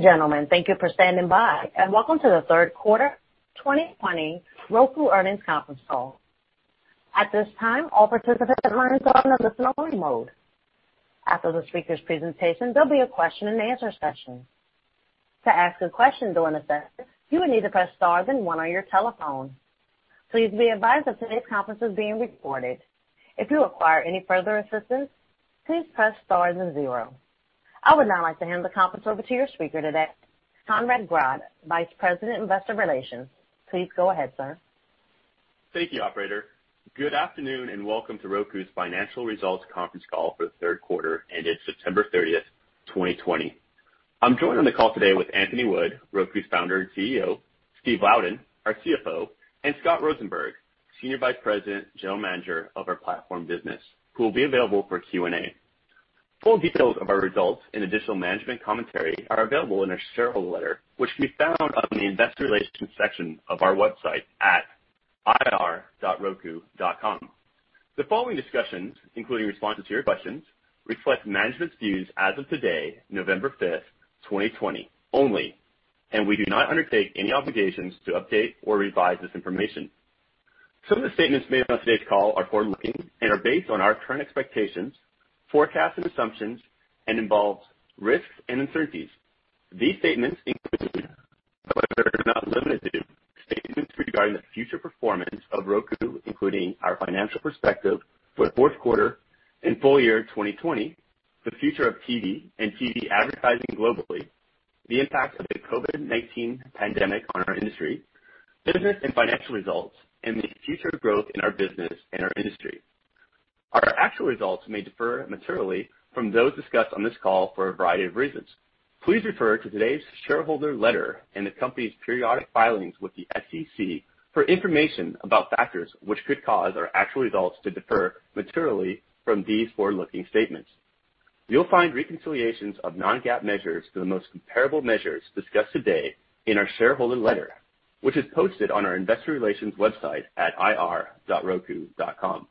Gentlemen, thank you for standing by. Welcome to the third quarter 2020 Roku earnings conference call. At this time, all participant lines are in listen-only mode. After the speakers' presentation, there'll be a question and answer session. To ask a question during the session, you will need to press star then one on your telephone. Please be advised that today's conference is being recorded. If you require any further assistance, please press star then zero. I would now like to hand the conference over to your speaker today, Conrad Grodd, Vice President, Investor Relations. Please go ahead, sir. Thank you, operator. Good afternoon, welcome to Roku's financial results conference call for the third quarter ended September 30th, 2020. I'm joined on the call today with Anthony Wood, Roku's Founder and CEO, Steve Louden, our CFO, and Scott Rosenberg, Senior Vice President, General Manager of our platform business, who will be available for Q&A. Full details of our results and additional management commentary are available in our shareholder letter, which can be found on the investor relations section of our website at ir.roku.com. The following discussions, including responses to your questions, reflect management's views as of today, November fifth, 2020, only, and we do not undertake any obligations to update or revise this information. Some of the statements made on today's call are forward-looking and are based on our current expectations, forecasts, and assumptions and involve risks and uncertainties. These statements include, but are not limited to, statements regarding the future performance of Roku, including our financial perspective for the fourth quarter and full year 2020, the future of TV and TV advertising globally, the impact of the COVID-19 pandemic on our industry, business and financial results, and the future growth in our business and our industry. Our actual results may differ materially from those discussed on this call for a variety of reasons. Please refer to today's shareholder letter and the company's periodic filings with the SEC for information about factors which could cause our actual results to differ materially from these forward-looking statements. You'll find reconciliations of non-GAAP measures to the most comparable measures discussed today in our shareholder letter, which is posted on our investor relations website at ir.roku.com,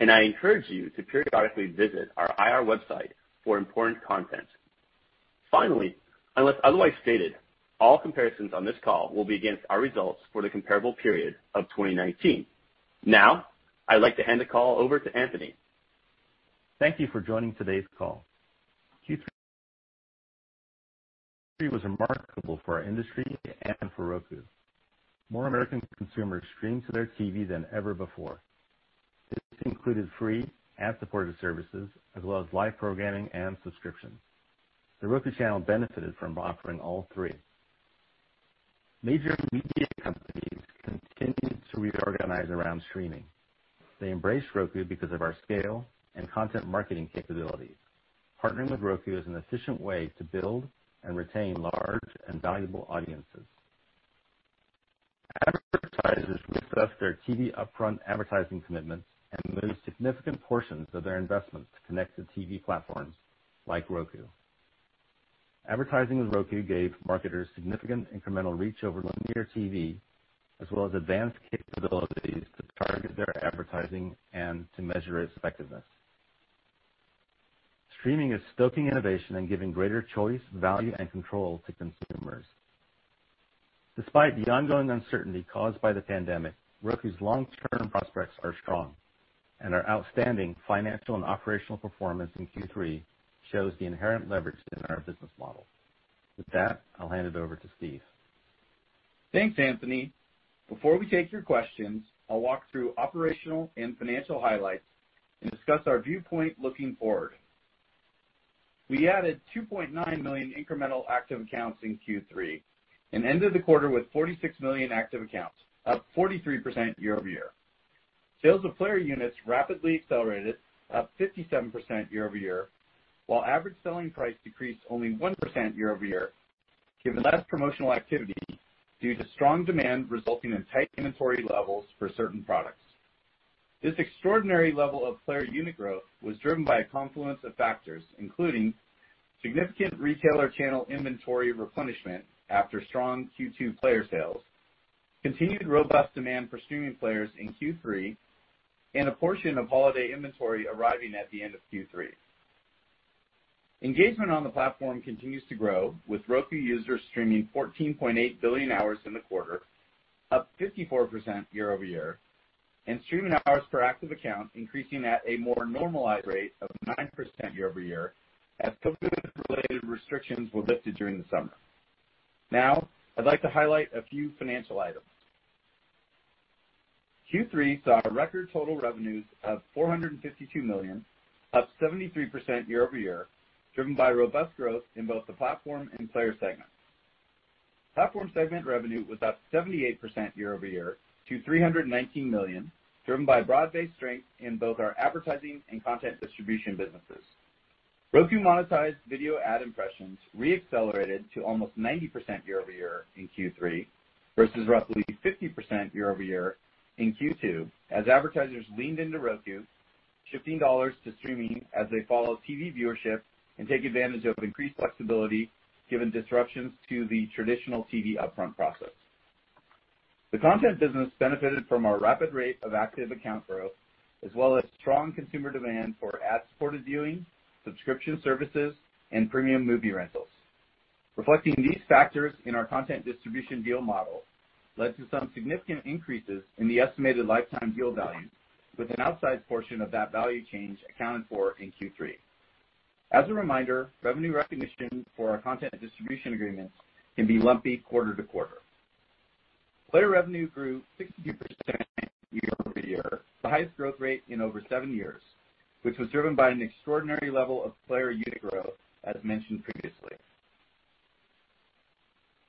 and I encourage you to periodically visit our IR website for important content. Finally, unless otherwise stated, all comparisons on this call will be against our results for the comparable period of 2019. I'd like to hand the call over to Anthony. Thank you for joining today's call. Q3 was remarkable for our industry and for Roku. More American consumers streamed to their TV than ever before. This included free and supported services, as well as live programming and subscriptions. The Roku Channel benefited from offering all three. Major media companies continued to reorganize around streaming. They embraced Roku because of our scale and content marketing capabilities. Partnering with Roku is an efficient way to build and retain large and valuable audiences. Advertisers reduced their TV upfront advertising commitments and moved significant portions of their investment to connected TV platforms like Roku. Advertising with Roku gave marketers significant incremental reach over linear TV, as well as advanced capabilities to target their advertising and to measure its effectiveness. Streaming is stoking innovation and giving greater choice, value, and control to consumers. Despite the ongoing uncertainty caused by the pandemic, Roku's long-term prospects are strong. Our outstanding financial and operational performance in Q3 shows the inherent leverage in our business model. With that, I'll hand it over to Steve. Thanks, Anthony. Before we take your questions, I'll walk through operational and financial highlights and discuss our viewpoint looking forward. We added 2.9 million incremental active accounts in Q3 and ended the quarter with 46 million active accounts, up 43% year-over-year. Sales of player units rapidly accelerated, up 57% year-over-year, while average selling price decreased only 1% year-over-year, given less promotional activity due to strong demand resulting in tight inventory levels for certain products. This extraordinary level of player unit growth was driven by a confluence of factors, including significant retailer channel inventory replenishment after strong Q2 player sales, continued robust demand for streaming players in Q3, and a portion of holiday inventory arriving at the end of Q3. Engagement on the Platform continues to grow, with Roku users streaming 14.8 billion hours in the quarter, up 54% year-over-year, and streaming hours per active account increasing at a more normalized rate of 9% year-over-year as COVID-related restrictions were lifted during the summer. Now, I'd like to highlight a few financial items. Q3 saw record total revenues of $452 million, up 73% year-over-year, driven by robust growth in both the Platform and Player segments. Platform segment revenue was up 78% year-over-year to $319 million, driven by broad-based strength in both our advertising and content distribution businesses. Roku monetized video ad impressions re-accelerated to almost 90% year-over-year in Q3, versus roughly 50% year-over-year in Q2, as advertisers leaned into Roku, shifting dollars to streaming as they follow TV viewership and take advantage of increased flexibility given disruptions to the traditional TV upfront process. The content business benefited from our rapid rate of active account growth, as well as strong consumer demand for ad-supported viewing, subscription services, and premium movie rentals. Reflecting these factors in our content distribution deal model led to some significant increases in the estimated lifetime deal value, with an outsized portion of that value change accounted for in Q3. As a reminder, revenue recognition for our content distribution agreements can be lumpy quarter-to-quarter. Player revenue grew 62% year-over-year, the highest growth rate in over seven years, which was driven by an extraordinary level of player unit growth, as mentioned previously.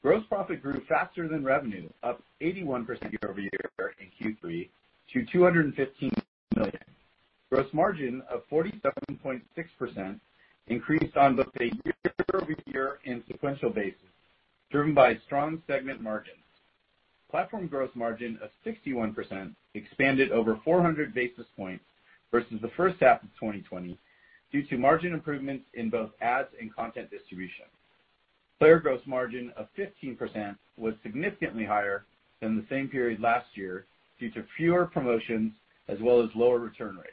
Gross profit grew faster than revenue, up 81% year-over-year in Q3 to $215 million. Gross margin of 47.6% increased on both a year-over-year and sequential basis, driven by strong segment margins. Platform gross margin of 61% expanded over 400 basis points versus the first half of 2020 due to margin improvements in both ads and content distribution. Player gross margin of 15% was significantly higher than the same period last year due to fewer promotions as well as lower return rates.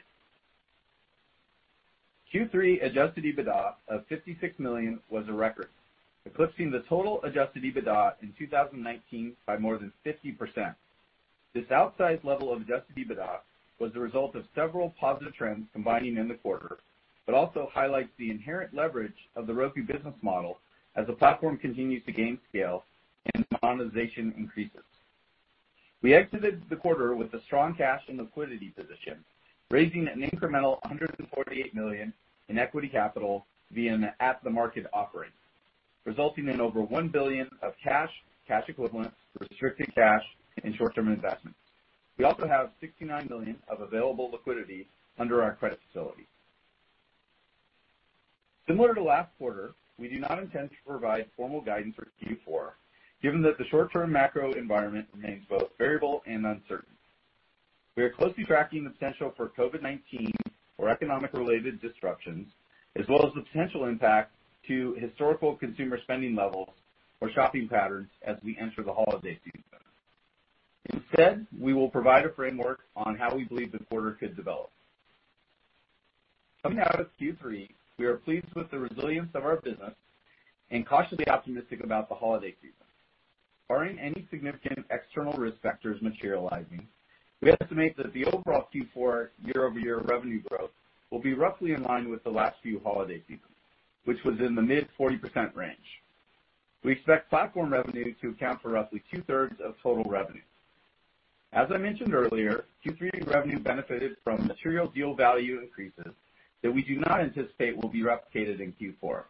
Q3 adjusted EBITDA of $56 million was a record, eclipsing the total adjusted EBITDA in 2019 by more than 50%. This outsized level of adjusted EBITDA was the result of several positive trends combining in the quarter, but also highlights the inherent leverage of the Roku business model as the platform continues to gain scale and monetization increases. We exited the quarter with a strong cash and liquidity position, raising an incremental $148 million in equity capital via an at-the-market offering, resulting in over $1 billion of cash equivalents, restricted cash, and short-term investments. We also have $69 million of available liquidity under our credit facility. Similar to last quarter, we do not intend to provide formal guidance for Q4, given that the short-term macro environment remains both variable and uncertain. We are closely tracking the potential for COVID-19 or economic-related disruptions, as well as the potential impact to historical consumer spending levels or shopping patterns as we enter the holiday season. Instead, we will provide a framework on how we believe the quarter could develop. Coming out of Q3, we are pleased with the resilience of our business and cautiously optimistic about the holiday season. Barring any significant external risk factors materializing, we estimate that the overall Q4 year-over-year revenue growth will be roughly in line with the last few holiday seasons, which was in the mid-40% range. We expect platform revenue to account for roughly two-thirds of total revenue. As I mentioned earlier, Q3 revenue benefited from material deal value increases that we do not anticipate will be replicated in Q4.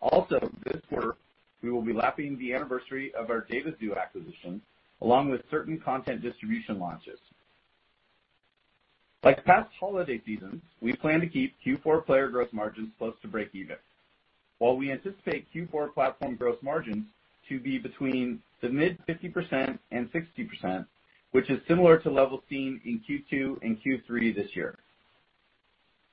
Also, this quarter, we will be lapping the anniversary of our DataXu acquisition, along with certain content distribution launches. Like past holiday seasons, we plan to keep Q4 player gross margins close to breakeven. While we anticipate Q4 platform gross margins to be between the mid-50% and 60%, which is similar to levels seen in Q2 and Q3 this year.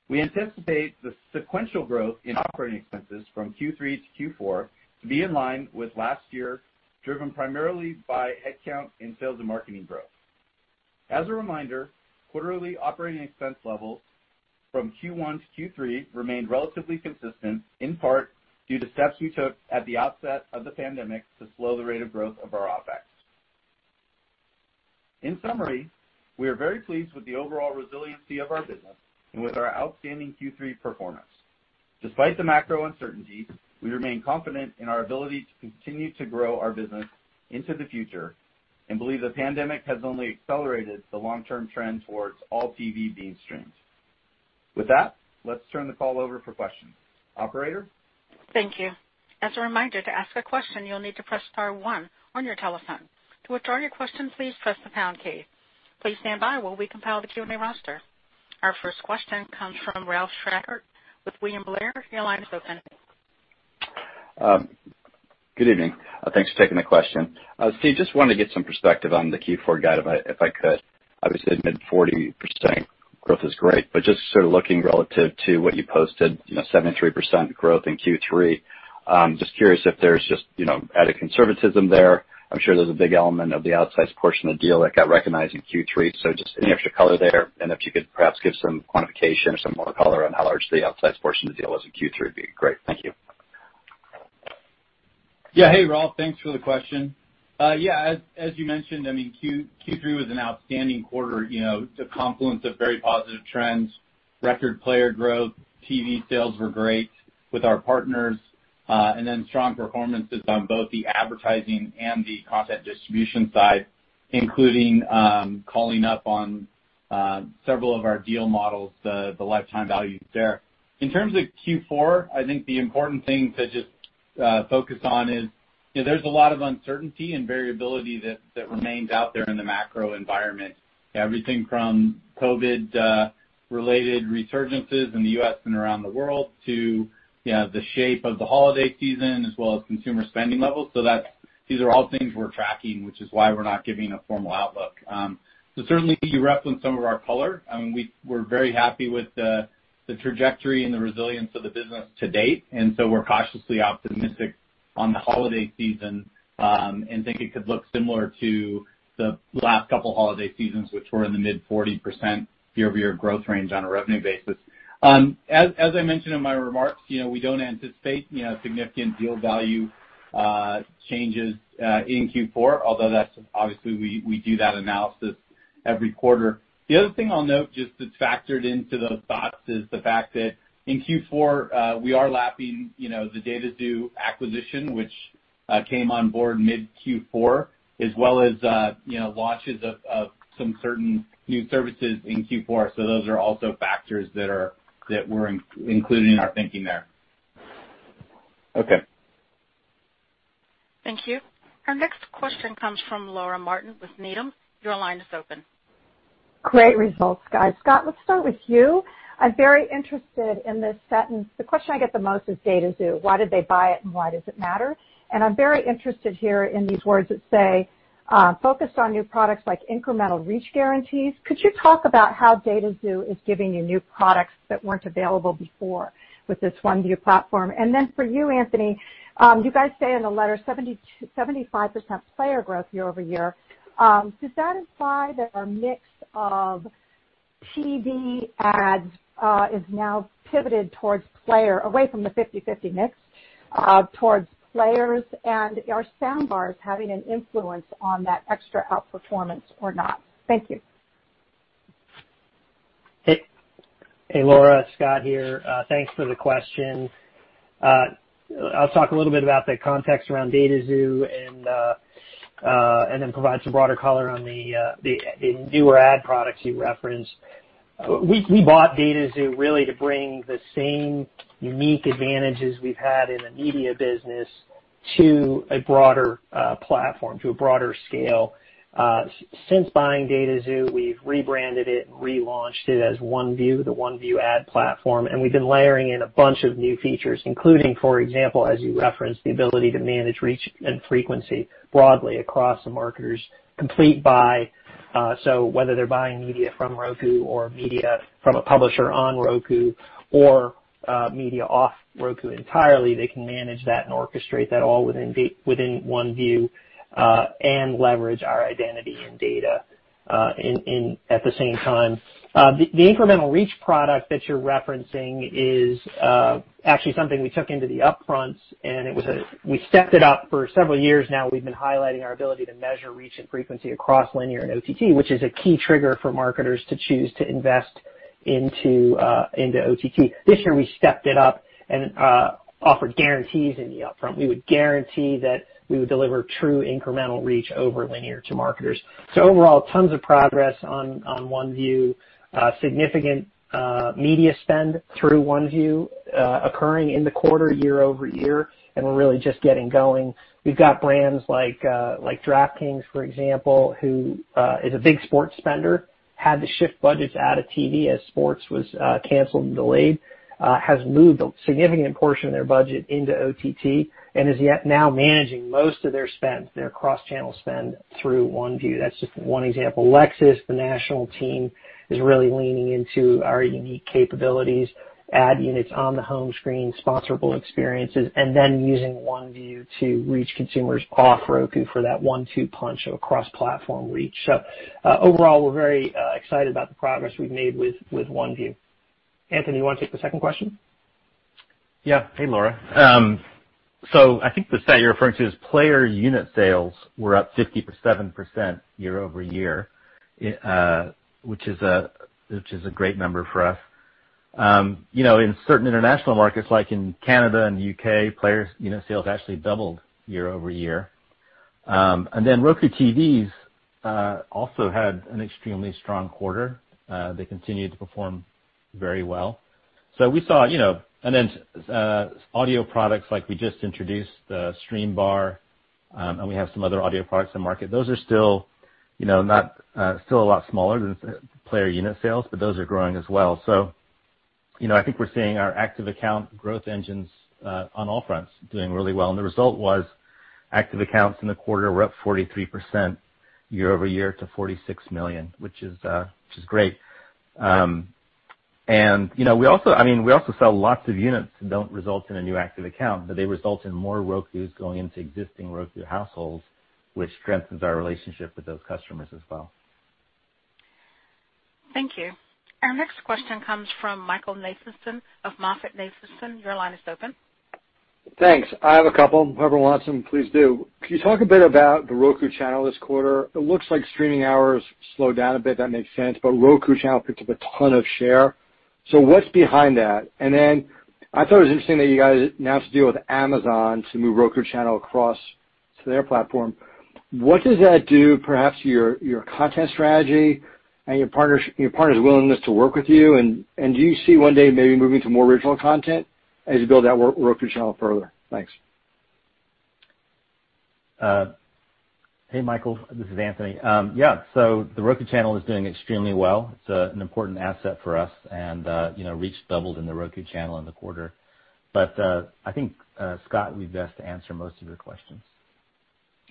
We anticipate the sequential growth in operating expenses from Q3 to Q4 to be in line with last year, driven primarily by headcount and sales and marketing growth. As a reminder, quarterly operating expense levels from Q1 to Q3 remained relatively consistent, in part due to steps we took at the outset of the pandemic to slow the rate of growth of our OpEx. In summary, we are very pleased with the overall resiliency of our business and with our outstanding Q3 performance. Despite the macro uncertainty, we remain confident in our ability to continue to grow our business into the future and believe the pandemic has only accelerated the long-term trend towards all TV being streamed. With that, let's turn the call over for questions. Operator? Thank you. As a reminder, to ask a question, you'll need to press star one on your telephone. To withdraw your question, please press the pound key. Please stand by while we compile the Q&A roster. Our first question comes from Ralph Schackart with William Blair. Your line is open. Good evening. Thanks for taking the question. Steve, just wanted to get some perspective on the Q4 guide, if I could. Obviously, mid-40% growth is great, but just sort of looking relative to what you posted, 73% growth in Q3. Just curious if there's just added conservatism there. I'm sure there's a big element of the outsized portion of the deal that got recognized in Q3. Just any extra color there, and if you could perhaps give some quantification or some more color on how large the outsized portion of the deal was in Q3 would be great. Thank you. Hey, Ralph. Thanks for the question. As you mentioned, I mean, Q3 was an outstanding quarter. The confluence of very positive trends, record player growth, TV sales were great with our partners, then strong performances on both the advertising and the content distribution side, including calling up on several of our deal models, the lifetime values there. In terms of Q4, I think the important thing to just focus on is there's a lot of uncertainty and variability that remains out there in the macro environment. Everything from COVID-related resurgences in the U.S. and around the world to the shape of the holiday season as well as consumer spending levels. These are all things we're tracking, which is why we're not giving a formal outlook. Certainly you referenced some of our color. We're very happy with the trajectory and the resilience of the business to date, we're cautiously optimistic on the holiday season and think it could look similar to the last couple holiday seasons, which were in the mid 40% year-over-year growth range on a revenue basis. As I mentioned in my remarks, we don't anticipate significant deal value changes in Q4, although obviously we do that analysis every quarter. The other thing I'll note, just that's factored into those thoughts, is the fact that in Q4, we are lapping the DataXu acquisition, which came on board mid Q4, as well as launches of some certain new services in Q4. Those are also factors that we're including in our thinking there. Okay. Thank you. Our next question comes from Laura Martin with Needham. Your line is open. Great results, guys. Scott, let's start with you. I'm very interested in this sentence. The question I get the most is DataXu, why did they buy it and why does it matter? I'm very interested here in these words that say, focused on new products like incremental reach guarantees. Could you talk about how DataXu is giving you new products that weren't available before with this OneView platform? Then for you, Anthony, you guys say in the letter 75% player growth year-over-year. Does that imply that our mix of TV ads is now pivoted towards player, away from the 50/50 mix towards players, are Streambar having an influence on that extra outperformance or not? Thank you. Hey, Laura. Scott here. Thanks for the question. I'll talk a little bit about the context around DataXu and then provide some broader color on the newer ad products you referenced. We bought DataXu really to bring the same unique advantages we've had in the media business to a broader platform, to a broader scale. Since buying DataXu, we've rebranded it and relaunched it as OneView, the OneView ad platform, and we've been layering in a bunch of new features, including, for example, as you referenced, the ability to manage reach and frequency broadly across the marketers complete buy. Whether they're buying media from Roku or media from a publisher on Roku or media off Roku entirely, they can manage that and orchestrate that all within OneView, and leverage our identity and data at the same time. The incremental reach product that you're referencing is actually something we took into the upfronts, and we stepped it up. For several years now, we've been highlighting our ability to measure reach and frequency across linear and OTT, which is a key trigger for marketers to choose to invest into OTT. This year, we stepped it up and offered guarantees in the upfront. We would guarantee that we would deliver true incremental reach over linear to marketers. Overall, tons of progress on OneView. Significant media spend through OneView occurring in the quarter year-over-year, and we're really just getting going. We've got brands like DraftKings, for example, who is a big sports spender, had to shift budgets out of TV as sports was canceled and delayed, has moved a significant portion of their budget into OTT and is yet now managing most of their spend, their cross-channel spend, through OneView. That's just one example. Lexus, the national team, is really leaning into our unique capabilities, ad units on the home screen, sponsorable experiences, and then using OneView to reach consumers off Roku for that one-two punch of a cross-platform reach. Overall, we're very excited about the progress we've made with OneView. Anthony, you want to take the second question? Yeah. Hey, Laura. I think the stat you're referring to is player unit sales were up 57% year-over-year, which is a great number for us. In certain international markets like in Canada and the U.K., player unit sales actually doubled year-over-year. Roku TVs also had an extremely strong quarter. They continued to perform very well. We saw audio products, like we just introduced the Streambar, and we have some other audio products in market. Those are still a lot smaller than player unit sales, but those are growing as well. I think we're seeing our active account growth engines on all fronts doing really well. The result was active accounts in the quarter were up 43% year-over-year to 46 million, which is great. We also sell lots of units that don't result in a new active account, but they result in more Rokus going into existing Roku households, which strengthens our relationship with those customers as well. Thank you. Our next question comes from Michael Nathanson of MoffettNathanson. Your line is open. Thanks. I have a couple. Whoever wants them, please do. Can you talk a bit about The Roku Channel this quarter? It looks like streaming hours slowed down a bit. That makes sense. Roku Channel picked up a ton of share. What's behind that? I thought it was interesting that you guys announced a deal with Amazon to move Roku Channel across to their platform. What does that do, perhaps, to your content strategy and your partner's willingness to work with you, and do you see one day maybe moving to more original content as you build out Roku Channel further? Thanks. Hey, Michael. This is Anthony. Yeah. The Roku Channel is doing extremely well. It's an important asset for us. Reach doubled in The Roku Channel in the quarter. I think, Scott would be best to answer most of your questions.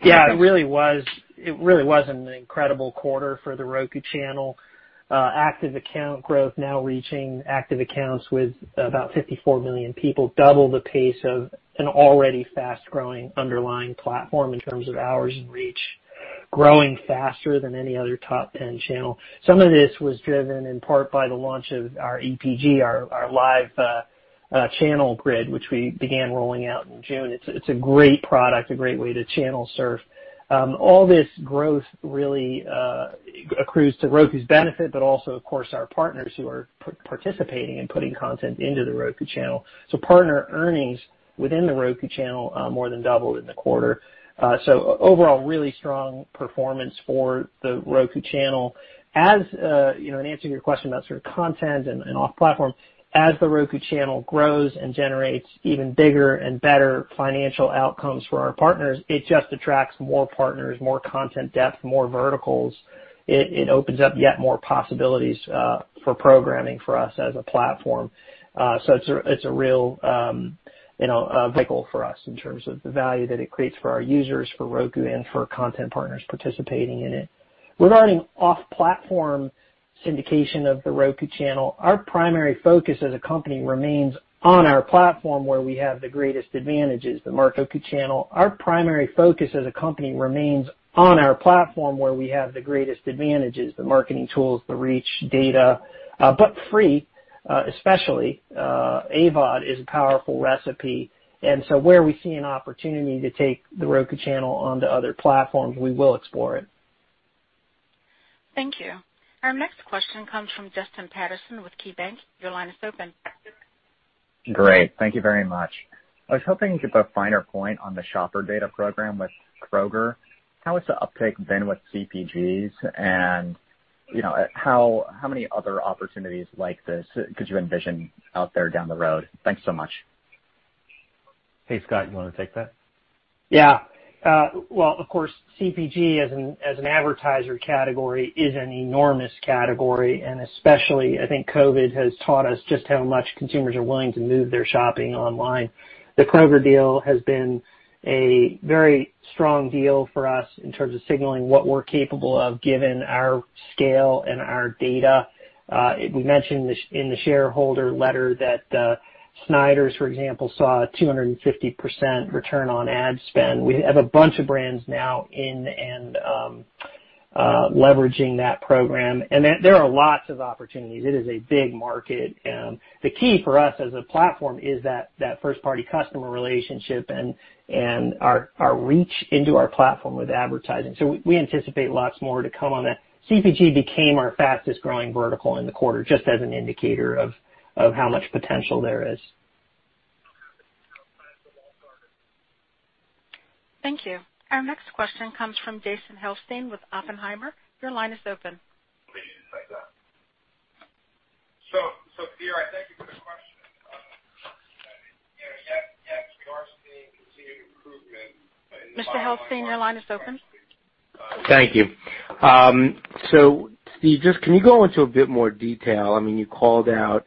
Yeah, it really was an incredible quarter for The Roku Channel. Active account growth now reaching active accounts with about 54 million people, double the pace of an already fast-growing underlying platform in terms of hours and reach, growing faster than any other top 10 channel. Some of this was driven in part by the launch of our EPG, our live channel grid, which we began rolling out in June. It's a great product, a great way to channel surf. Also, of course, our partners who are participating and putting content into The Roku Channel. Partner earnings within The Roku Channel more than doubled in the quarter. Overall, really strong performance for The Roku Channel. In answering your question about sort of content and off-platform, as The Roku Channel grows and generates even bigger and better financial outcomes for our partners, it just attracts more partners, more content depth, more verticals. It opens up yet more possibilities for programming for us as a platform. It's a real vehicle for us in terms of the value that it creates for our users, for Roku, and for content partners participating in it. Regarding off-platform syndication of The Roku Channel, our primary focus as a company remains on our platform where we have the greatest advantages, the market channel. Our primary focus as a company remains on our platform where we have the greatest advantages, the marketing tools, the reach data. Free, especially AVOD, is a powerful recipe. Where we see an opportunity to take The Roku Channel onto other platforms, we will explore it. Thank you. Our next question comes from Justin Patterson with KeyBanc. Your line is open. Great. Thank you very much. I was hoping to get a finer point on the shopper data program with Kroger. How has the uptake been with CPGs, and how many other opportunities like this could you envision out there down the road? Thanks so much. Hey, Scott, you want to take that? Well, of course, CPG as an advertiser category is an enormous category, and especially, I think COVID has taught us just how much consumers are willing to move their shopping online. The Kroger deal has been a very strong deal for us in terms of signaling what we're capable of given our scale and our data. We mentioned in the shareholder letter that Snyder's, for example, saw a 250% return on ad spend. We have a bunch of brands now in and leveraging that program. There are lots of opportunities. It is a big market. The key for us as a platform is that first-party customer relationship and our reach into our platform with advertising. We anticipate lots more to come on that. CPG became our fastest-growing vertical in the quarter, just as an indicator of how much potential there is. Thank you. Our next question comes from Jason Helfstein with Oppenheimer. Your line is open. Steve, I thank you for the question. Yes, we are seeing continued improvement. Mr. Helfstein, your line is open. Thank you. Steve, just can you go into a bit more detail? You called out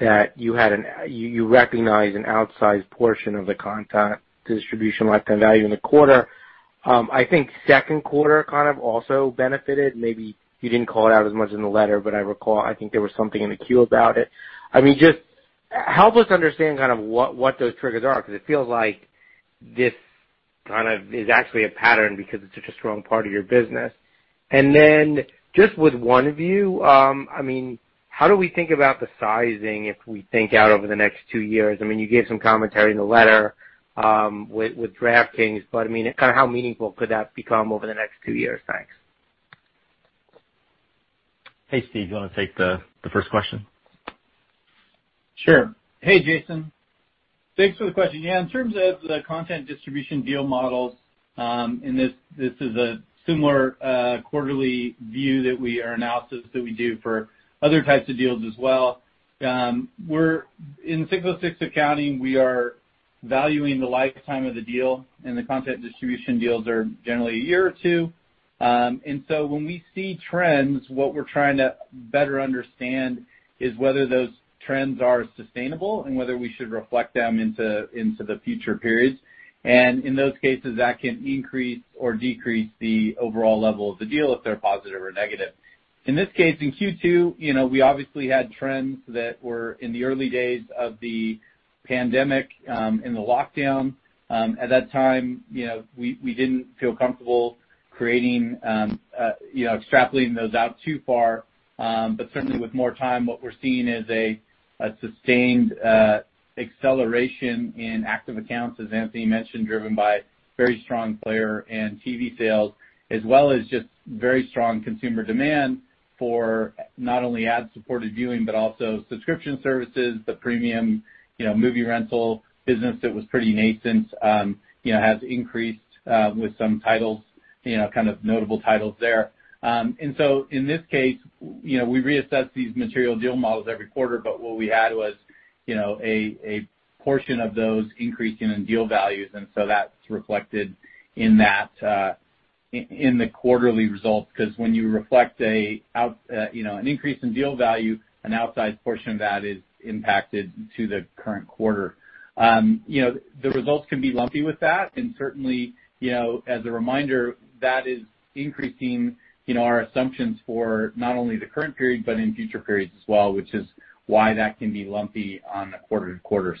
that you recognize an outsized portion of the content distribution lifetime value in the quarter. I think second quarter kind of also benefited. Maybe you didn't call it out as much in the letter, but I recall, I think there was something in the Q about it. Just help us understand kind of what those triggers are, because it feels like this kind of is actually a pattern because it's such a strong part of your business. Just with OneView, how do we think about the sizing if we think out over the next two years? You gave some commentary in the letter with DraftKings, but kind of how meaningful could that become over the next two years? Thanks. Hey, Steve, do you want to take the first question? Sure. Hey, Jason. Thanks for the question. This is a similar quarterly view that we are analysis that we do for other types of deals as well. In 606 accounting, we are valuing the lifetime of the deal, and the content distribution deals are generally a year or two. When we see trends, what we're trying to better understand is whether those trends are sustainable and whether we should reflect them into the future periods. In those cases, that can increase or decrease the overall level of the deal if they're positive or negative. In this case, in Q2, we obviously had trends that were in the early days of the pandemic in the lockdown. At that time, we didn't feel comfortable extrapolating those out too far. Certainly with more time, what we're seeing is a sustained acceleration in active accounts, as Anthony mentioned, driven by very strong player and TV sales, as well as just very strong consumer demand for not only ad-supported viewing, but also subscription services. The premium movie rental business that was pretty nascent has increased with some notable titles there. In this case, we reassess these material deal models every quarter, but what we had was a portion of those increasing in deal values, so that's reflected in that in the quarterly results, because when you reflect an increase in deal value, an outsized portion of that is impacted to the current quarter. The results can be lumpy with that. Certainly, as a reminder, that is increasing our assumptions for not only the current period but in future periods as well, which is why that can be lumpy on a quarter-to-quarter.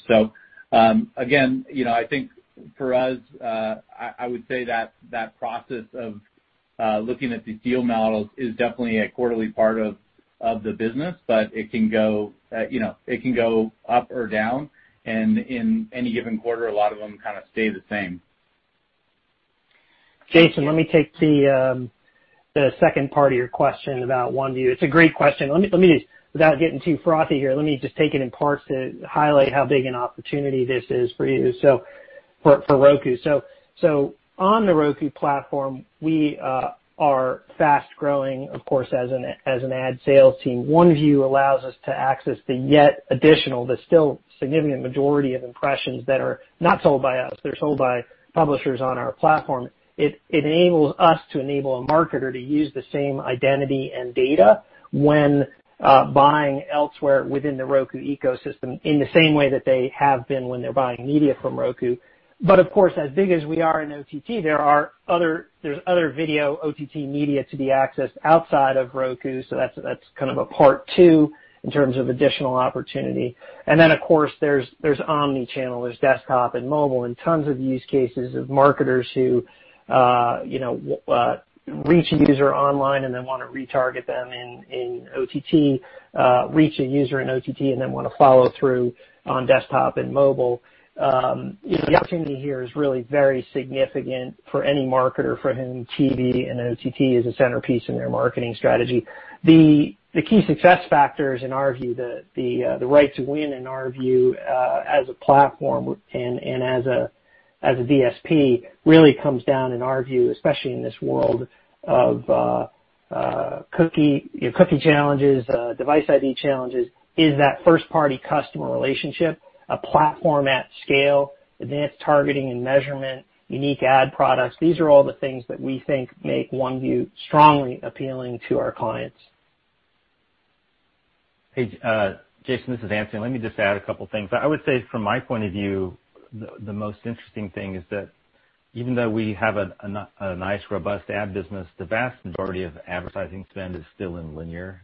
Again, I think for us, I would say that process of looking at these deal models is definitely a quarterly part of the business, but it can go up or down. In any given quarter, a lot of them kind of stay the same. Jason, let me take the second part of your question about OneView. It's a great question. Without getting too frothy here, let me just take it in parts to highlight how big an opportunity this is for you, so for Roku. On the Roku platform, we are fast-growing, of course, as an ad sales team. OneView allows us to access the yet additional, but still significant majority of impressions that are not sold by us, they're sold by publishers on our platform. It enables us to enable a marketer to use the same identity and data when buying elsewhere within the Roku ecosystem in the same way that they have been when they're buying media from Roku. Of course, as big as we are in OTT, there's other video OTT media to be accessed outside of Roku. That's kind of a part two in terms of additional opportunity. Of course, there's omni-channel. There's desktop and mobile and tons of use cases of marketers who reach a user online and then want to retarget them in OTT, reach a user in OTT and then want to follow through on desktop and mobile. The opportunity here is really very significant for any marketer for whom TV and OTT is a centerpiece in their marketing strategy. The key success factors in our view, the right to win in our view as a platform and as a DSP really comes down in our view, especially in this world of cookie challenges, device ID challenges, is that first-party customer relationship, a platform at scale, advanced targeting and measurement, unique ad products. These are all the things that we think make OneView strongly appealing to our clients. Hey, Jason, this is Anthony. Let me just add a couple of things. I would say from my point of view, the most interesting thing is that even though we have a nice, robust ad business, the vast majority of advertising spend is still in linear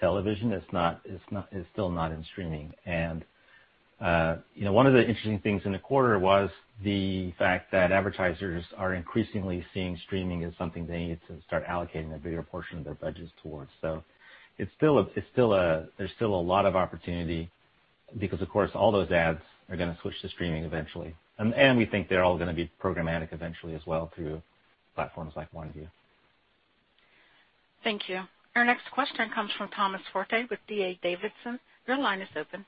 television. It's still not in streaming. One of the interesting things in the quarter was the fact that advertisers are increasingly seeing streaming as something they need to start allocating a bigger portion of their budgets towards. There's still a lot of opportunity because, of course, all those ads are going to switch to streaming eventually. We think they're all going to be programmatic eventually as well through platforms like OneView. Thank you. Our next question comes from Thomas Forte with D.A. Davidson. Your line is open.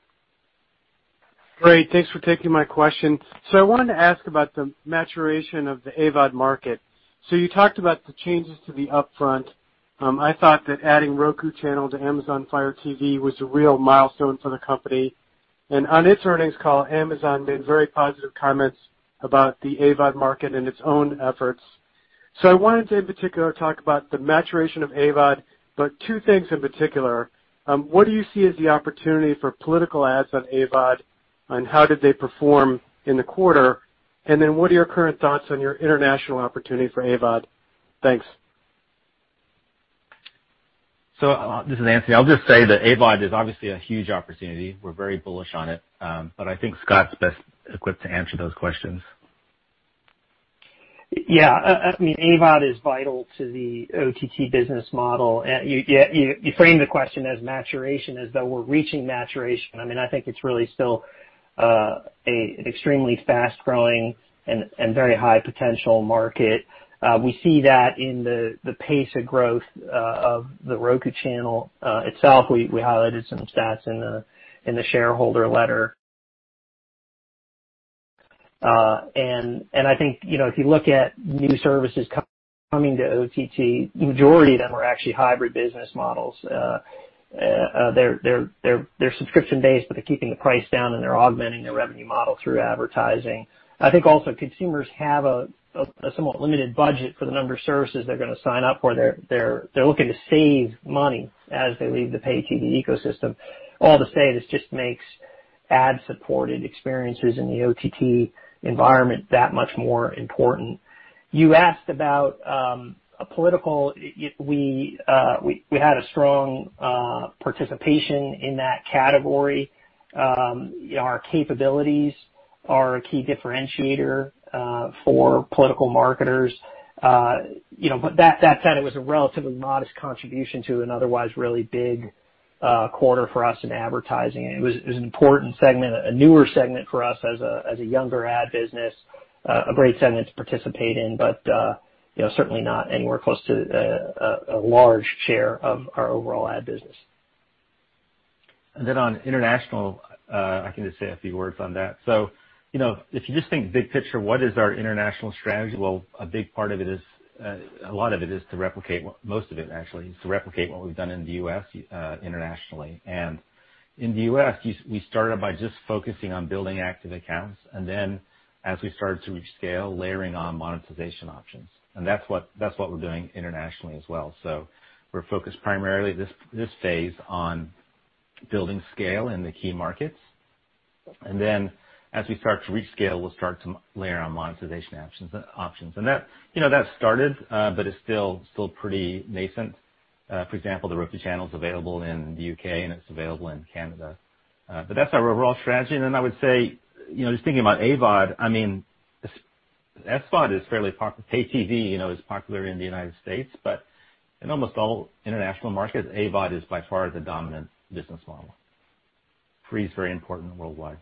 Great. Thanks for taking my question. I wanted to ask about the maturation of the AVOD market. You talked about the changes to the upfront. I thought that adding The Roku Channel to Amazon Fire TV was a real milestone for the company. On its earnings call, Amazon made very positive comments about the AVOD market and its own efforts. I wanted to, in particular, talk about the maturation of AVOD, but two things in particular. What do you see as the opportunity for political ads on AVOD, and how did they perform in the quarter? What are your current thoughts on your international opportunity for AVOD? Thanks. This is Anthony. I'll just say that AVOD is obviously a huge opportunity. We're very bullish on it. I think Scott's best equipped to answer those questions. Yeah. AVOD is vital to the OTT business model. You frame the question as maturation as though we're reaching maturation. I think it's really still an extremely fast-growing and very high potential market. We see that in the pace of growth of The Roku Channel itself. We highlighted some stats in the shareholder letter. I think if you look at new services coming to OTT, majority of them are actually hybrid business models. They're subscription-based, but they're keeping the price down and they're augmenting their revenue model through advertising. I think also consumers have a somewhat limited budget for the number of services they're going to sign up for. They're looking to save money as they leave the pay TV ecosystem. All to say, this just makes ad-supported experiences in the OTT environment that much more important. You asked about political. We had a strong participation in that category. Our capabilities are a key differentiator for political marketers. That said, it was a relatively modest contribution to an otherwise really big quarter for us in advertising. It was an important segment, a newer segment for us as a younger ad business, a great segment to participate in, but certainly not anywhere close to a large share of our overall ad business. On international, I can just say a few words on that. If you just think big picture, what is our international strategy? A big part of it is, a lot of it is to replicate. Most of it actually is to replicate what we've done in the U.S. internationally. In the U.S., we started by just focusing on building active accounts and then as we started to reach scale, layering on monetization options. That's what we're doing internationally as well. We're focused primarily this phase on building scale in the key markets. As we start to reach scale, we'll start to layer on monetization options. That started, but it's still pretty nascent. For example, The Roku Channel's available in the U.K. and it's available in Canada. That's our overall strategy. I would say, just thinking about AVOD, I mean, SVOD is fairly pay TV is popular in the United States, but in almost all international markets, AVOD is by far the dominant business model. Free is very important worldwide.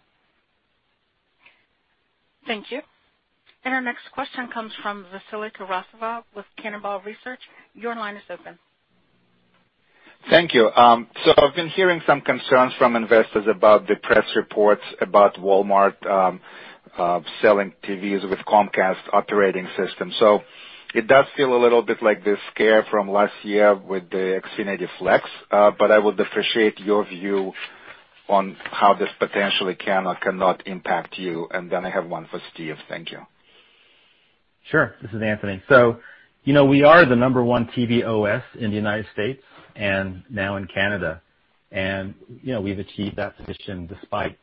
Thank you. Our next question comes from Vasily Karasyov with Cannonball Research. Your line is open. Thank you. I've been hearing some concerns from investors about the press reports about Walmart selling TVs with Comcast operating system. It does feel a little bit like the scare from last year with the Xfinity Flex. I would appreciate your view on how this potentially can or cannot impact you. Then I have one for Steve. Thank you. Sure. This is Anthony Wood. We are the number one TV OS in the U.S. and now in Canada. We've achieved that position despite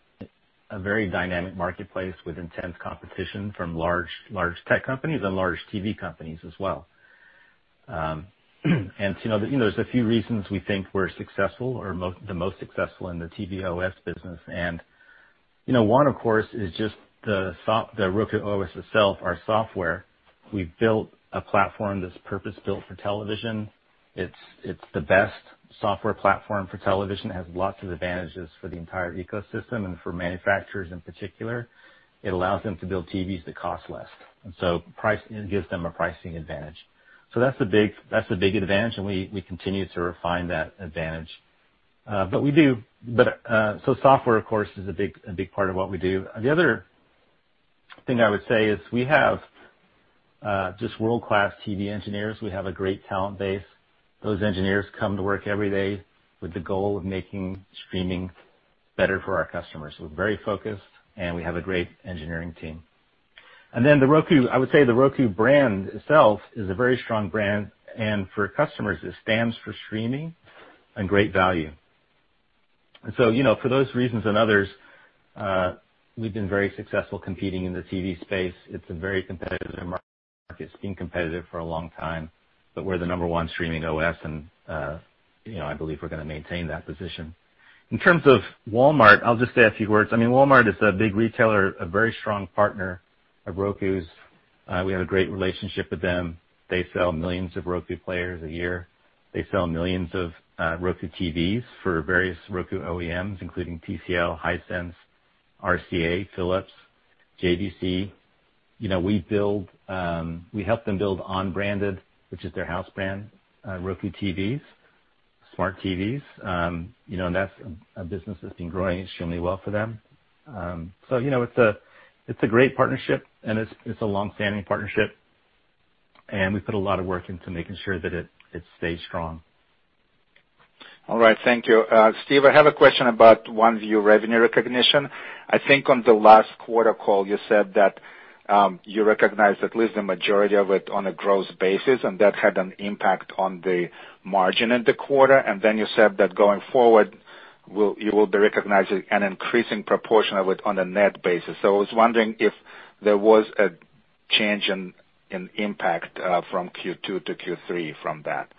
a very dynamic marketplace with intense competition from large tech companies and large TV companies as well. There's a few reasons we think we're successful or the most successful in the TV OS business. One of course is just the Roku OS itself, our software. We've built a platform that's purpose-built for television. It's the best software platform for television. It has lots of advantages for the entire ecosystem and for manufacturers in particular. It allows them to build TVs that cost less, and so it gives them a pricing advantage. That's the big advantage, and we continue to refine that advantage. Software of course, is a big part of what we do. The other thing I would say is we have just world-class TV engineers. We have a great talent base. Those engineers come to work every day with the goal of making streaming better for our customers. We're very focused, and we have a great engineering team. Then I would say the Roku brand itself is a very strong brand, and for customers it stands for streaming and great value. So, for those reasons and others, we've been very successful competing in the TV space. It's a very competitive market. It's been competitive for a long time, but we're the number one streaming OS and I believe we're going to maintain that position. In terms of Walmart, I'll just say a few words. Walmart is a big retailer, a very strong partner of Roku's. We have a great relationship with them. They sell millions of Roku players a year. They sell millions of Roku TVs for various Roku OEMs, including TCL, Hisense, RCA, Philips, JVC. We help them build on-branded, which is their house brand, Roku TVs, smart TVs. That's a business that's been growing extremely well for them. It's a great partnership and it's a longstanding partnership, and we put a lot of work into making sure that it stays strong. All right. Thank you. Steve, I have a question about OneView revenue recognition. I think on the last quarter call, you said that you recognize at least the majority of it on a gross basis, and that had an impact on the margin in the quarter. Then you said that going forward, you will be recognizing an increasing proportion of it on a net basis. I was wondering if there was a change in impact from Q2 to Q3 from that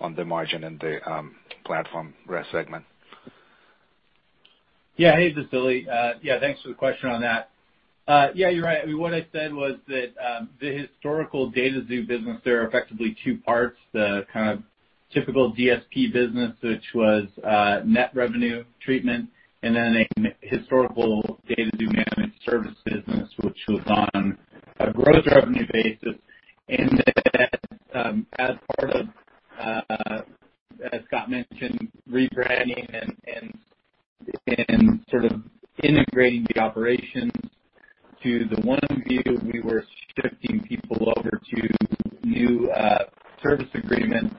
on the margin in the platform segment. Hey, Vasily. Thanks for the question on that. You're right. What I said was that the historical DataXu business, there are effectively two parts, the kind of typical DSP business, which was net revenue treatment, and then a historical DataXu managed service business, which was on a gross revenue basis. As part of, as Scott mentioned, rebranding and sort of integrating the operations to the OneView, we were shifting people over to new service agreements.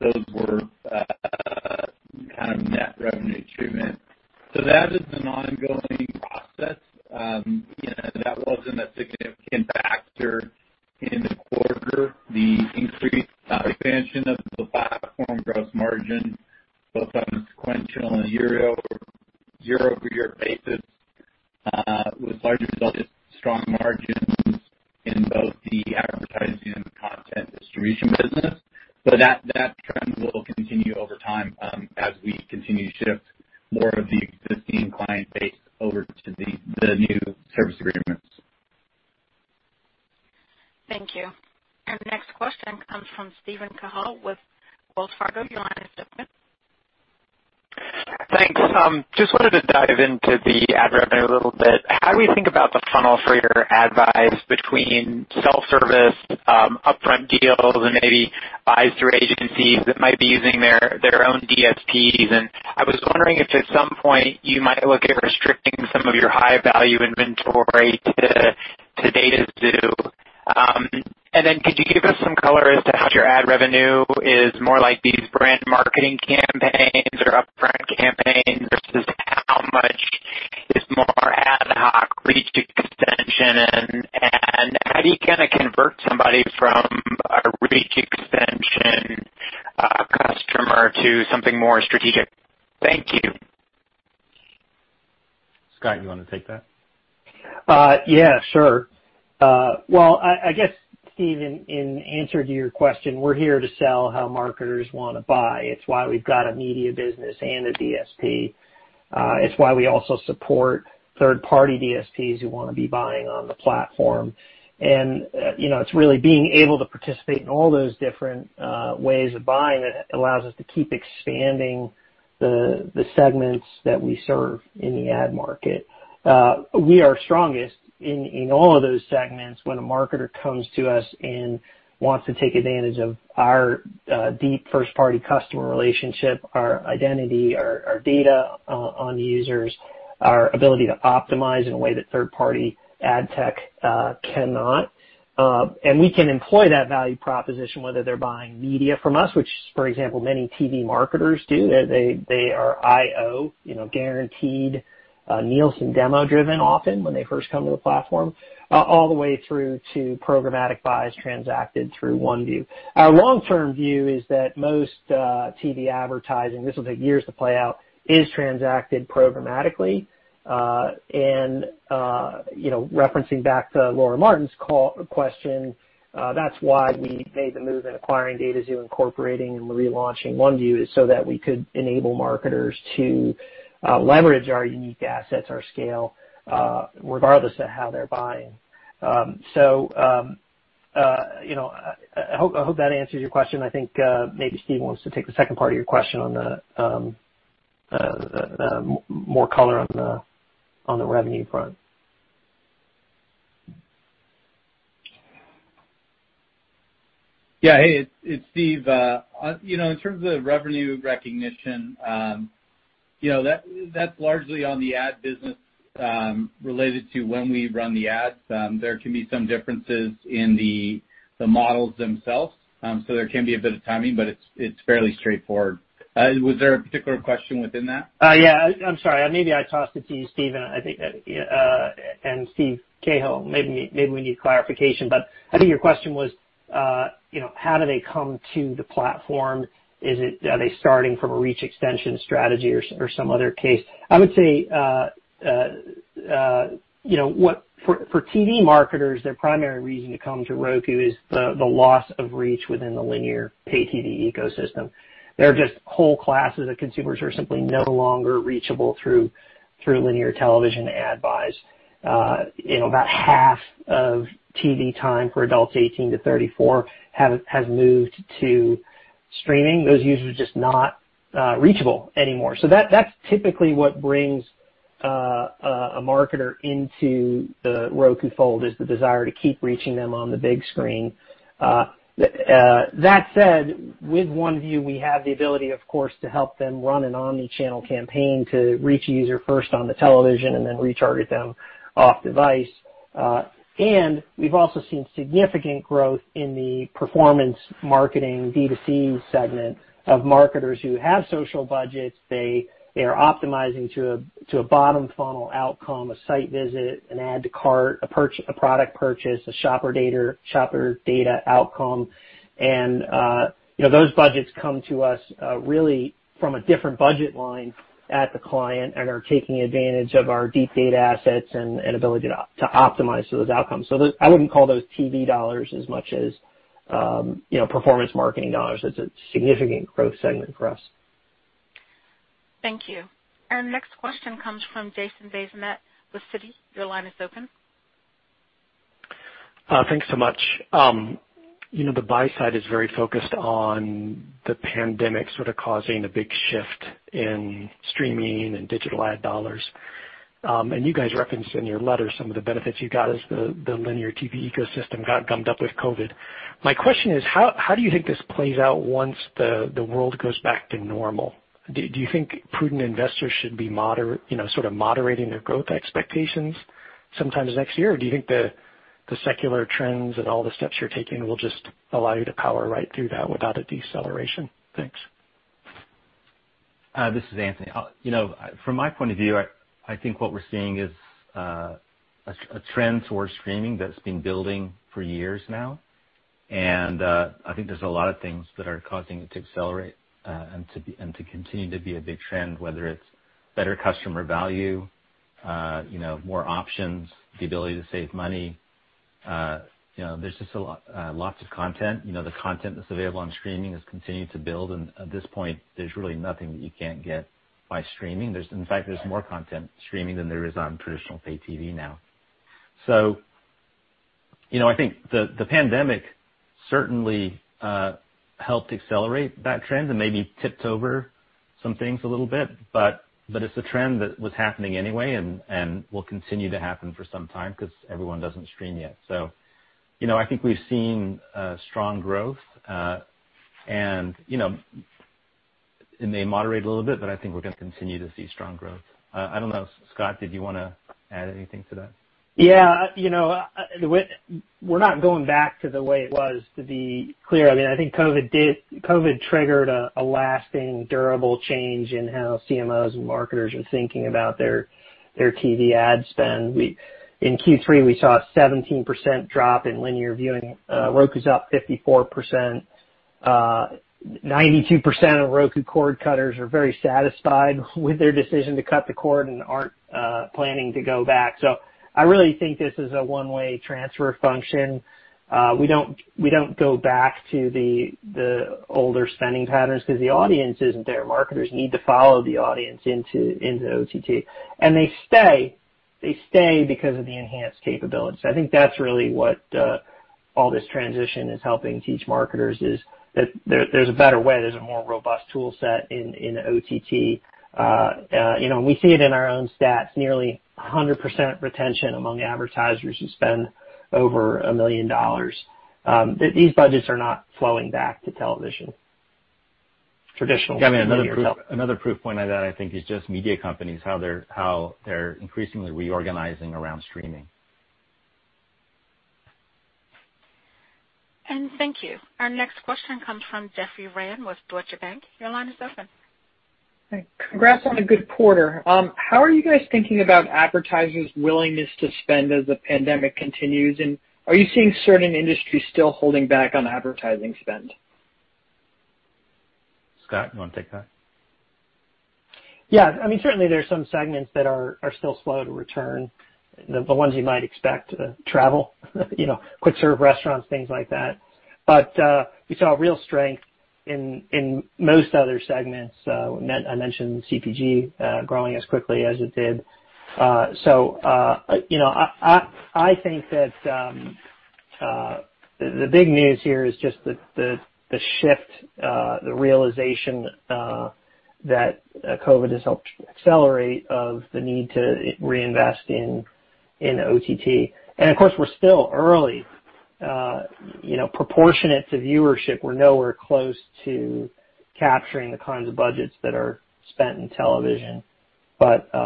Those were kind of net revenue treatment. That is an ongoing process. That wasn't a significant factor in the quarter. The increased expansion of the platform gross margin, both on a sequential and a year-over-year basis, was largely a result of strong margins in both the advertising and content distribution business. That trend will continue over time as we continue to shift more of the existing client base over to the new service agreements. Thank you. The next question comes from Steven Cahall with Wells Fargo. Your line is open. Thanks. Just wanted to dive into the ad revenue a little bit. How do we think about the funnel for your ad buys between self-service, upfront deals, and maybe buys through agencies that might be using their own DSPs? I was wondering if at some point you might look at restricting some of your high-value inventory to DataXu. Could you give us some color as to how your ad revenue is more like these brand marketing campaigns or upfront campaigns versus how much is more ad hoc reach extension? How do you convert somebody from a reach extension customer to something more strategic? Thank you. Scott, you want to take that? Yeah, sure. Well, I guess, Steve, in answer to your question, we're here to sell how marketers want to buy. It's why we've got a media business and a DSP. It's why we also support third-party DSPs who want to be buying on the platform. It's really being able to participate in all those different ways of buying that allows us to keep expanding the segments that we serve in the ad market. We are strongest in all of those segments when a marketer comes to us and wants to take advantage of our deep first-party customer relationship, our identity, our data on users, our ability to optimize in a way that third-party ad tech cannot. We can employ that value proposition whether they're buying media from us, which, for example, many TV marketers do. They are IO, guaranteed Nielsen demo-driven often when they first come to the platform, all the way through to programmatic buys transacted through OneView. Our long-term view is that most TV advertising, this will take years to play out, is transacted programmatically. Referencing back to Laura Martin's question, that's why we made the move in acquiring DataXu, incorporating and relaunching OneView, is so that we could enable marketers to leverage our unique assets, our scale, regardless of how they're buying. I hope that answers your question. I think maybe Steve wants to take the second part of your question on the more color on the revenue front. Yeah. Hey, it's Steve. In terms of revenue recognition, that's largely on the ad business related to when we run the ads. There can be some differences in the models themselves. There can be a bit of timing, but it's fairly straightforward. Was there a particular question within that? Yeah. I'm sorry. Maybe I tossed it to you, Steve, and Steven Cahall, maybe we need clarification, but I think your question was, how do they come to the platform? Are they starting from a reach extension strategy or some other case? I would say, for TV marketers, their primary reason to come to Roku is the loss of reach within the linear pay TV ecosystem. There are just whole classes of consumers who are simply no longer reachable through linear television ad buys. About half of TV time for adults 18-34 has moved to streaming. Those users are just not reachable anymore. That's typically what brings a marketer into the Roku fold, is the desire to keep reaching them on the big screen. That said, with OneView, we have the ability, of course, to help them run an omni-channel campaign to reach a user first on the television and then re-target them off device. We've also seen significant growth in the performance marketing B2C segment of marketers who have social budgets. They are optimizing to a bottom funnel outcome, a site visit, an add to cart, a product purchase, a shopper data outcome. Those budgets come to us really from a different budget line at the client and are taking advantage of our deep data assets and ability to optimize those outcomes. I wouldn't call those TV dollars as much as performance marketing dollars. That's a significant growth segment for us. Thank you. Next question comes from Jason Bazinet with Citi. Your line is open. Thanks so much. The buy side is very focused on the pandemic sort of causing a big shift in streaming and digital ad dollars. And you guys referenced in your letter some of the benefits you got as the linear TV ecosystem got gummed up with COVID. My question is, how do you think this plays out once the world goes back to normal? Do you think prudent investors should be sort of moderating their growth expectations sometimes next year? Or do you think the secular trends and all the steps you're taking will just allow you to power right through that without a deceleration? Thanks. This is Anthony. From my point of view, I think what we're seeing is a trend towards streaming that's been building for years now. I think there's a lot of things that are causing it to accelerate and to continue to be a big trend, whether it's better customer value, more options, the ability to save money. There's just lots of content. The content that's available on streaming has continued to build, and at this point, there's really nothing that you can't get by streaming. In fact, there's more content streaming than there is on traditional pay TV now. I think the pandemic certainly helped accelerate that trend and maybe tipped over some things a little bit. It's a trend that was happening anyway and will continue to happen for some time because everyone doesn't stream yet. I think we've seen strong growth. It may moderate a little bit, but I think we're going to continue to see strong growth. I don't know. Scott, did you want to add anything to that? Yeah. We're not going back to the way it was, to be clear. I think COVID triggered a lasting, durable change in how CMOs and marketers are thinking about their TV ad spend. In Q3, we saw a 17% drop in linear viewing. Roku's up 54%. 92% of Roku cord cutters are very satisfied with their decision to cut the cord and aren't planning to go back. I really think this is a one-way transfer function. We don't go back to the older spending patterns because the audience isn't there. Marketers need to follow the audience into OTT. They stay because of the enhanced capabilities. I think that's really what all this transition is helping teach marketers, is that there's a better way, there's a more robust tool set in OTT. We see it in our own stats, nearly 100% retention among advertisers who spend over $1 million. These budgets are not flowing back to television. Another proof point of that, I think, is just media companies, how they're increasingly reorganizing around streaming. Thank you. Our next question comes from Jeffrey Rand with Deutsche Bank. Your line is open. Hi. Congrats on a good quarter. How are you guys thinking about advertisers' willingness to spend as the pandemic continues? Are you seeing certain industries still holding back on advertising spend? Scott, you want to take that? Certainly, there's some segments that are still slow to return. The ones you might expect. Travel, quick serve restaurants, things like that. We saw real strength in most other segments. I mentioned CPG growing as quickly as it did. I think that the big news here is just the shift, the realization that COVID has helped accelerate of the need to reinvest in OTT. Of course, we're still early. Proportionate to viewership, we're nowhere close to capturing the kinds of budgets that are spent in television. The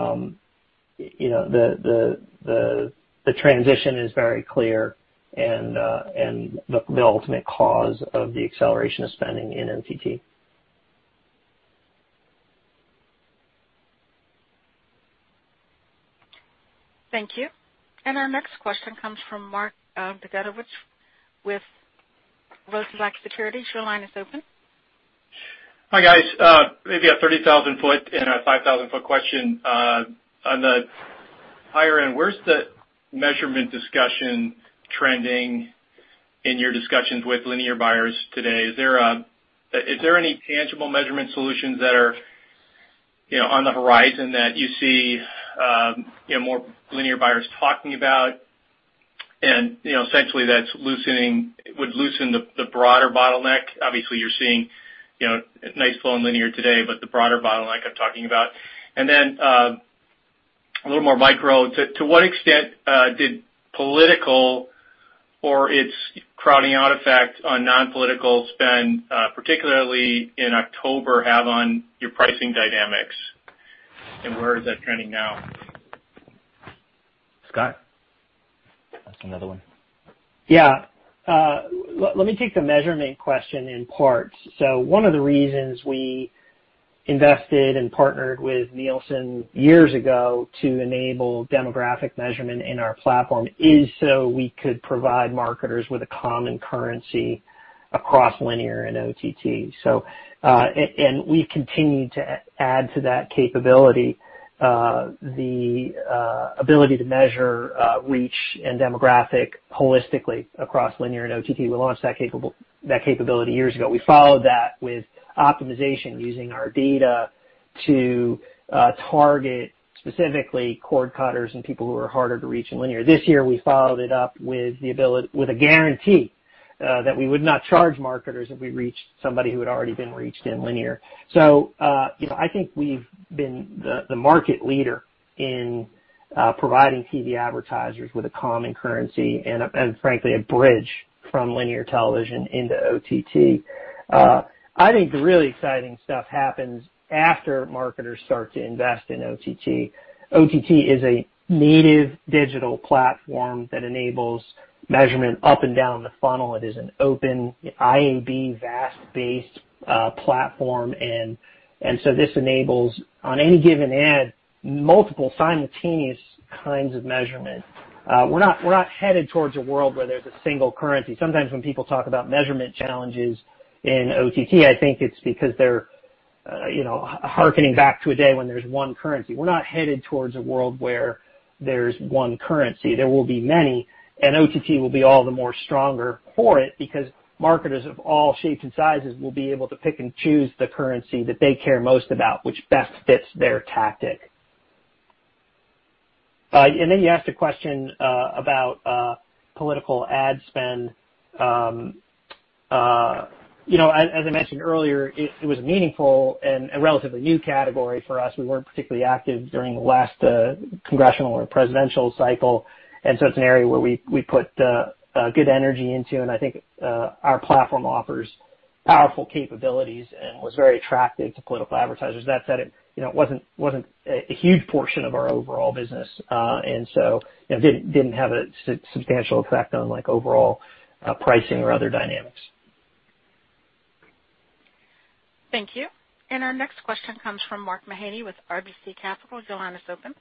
transition is very clear and the ultimate cause of the acceleration of spending in OTT. Thank you. Our next question comes from Mark Zgutowicz with Rosenblatt Securities. Your line is open. Hi, guys. Maybe a 30,000 ft and a 5,000 ft question. On the higher end, where's the measurement discussion trending in your discussions with linear buyers today? Is there any tangible measurement solutions that are on the horizon that you see more linear buyers talking about, and essentially that would loosen the broader bottleneck? Obviously, you're seeing nice flow in linear today, but the broader bottleneck I'm talking about. A little more micro. To what extent did political or its crowding out effect on non-political spend, particularly in October, have on your pricing dynamics, and where is that trending now? Scott? That's another one. Let me take the measurement question in parts. One of the reasons we invested and partnered with Nielsen years ago to enable demographic measurement in our platform is so we could provide marketers with a common currency across linear and OTT. We continue to add to that capability. The ability to measure reach and demographic holistically across linear and OTT, we launched that capability years ago. We followed that with optimization, using our data to target specifically cord cutters and people who are harder to reach in linear. This year, we followed it up with a guarantee that we would not charge marketers if we reached somebody who had already been reached in linear. I think we've been the market leader in providing TV advertisers with a common currency and frankly, a bridge from linear television into OTT. I think the really exciting stuff happens after marketers start to invest in OTT. OTT is a native digital platform that enables measurement up and down the funnel. It is an open IAB VAST-based platform. This enables, on any given ad, multiple simultaneous kinds of measurement. We're not headed towards a world where there's a single currency. Sometimes when people talk about measurement challenges in OTT, I think it's because they're hearkening back to a day when there's one currency. We're not headed towards a world where there's one currency. There will be many, and OTT will be all the more stronger for it because marketers of all shapes and sizes will be able to pick and choose the currency that they care most about, which best fits their tactic. You asked a question about political ad spend. As I mentioned earlier, it was meaningful and a relatively new category for us. We weren't particularly active during the last congressional or presidential cycle, and so it's an area where we put good energy into, and I think our platform offers powerful capabilities and was very attractive to political advertisers. That said, it wasn't a huge portion of our overall business. It didn't have a substantial effect on overall pricing or other dynamics. Thank you. Our next question comes from Mark Mahaney with RBC Capital. Your line is open.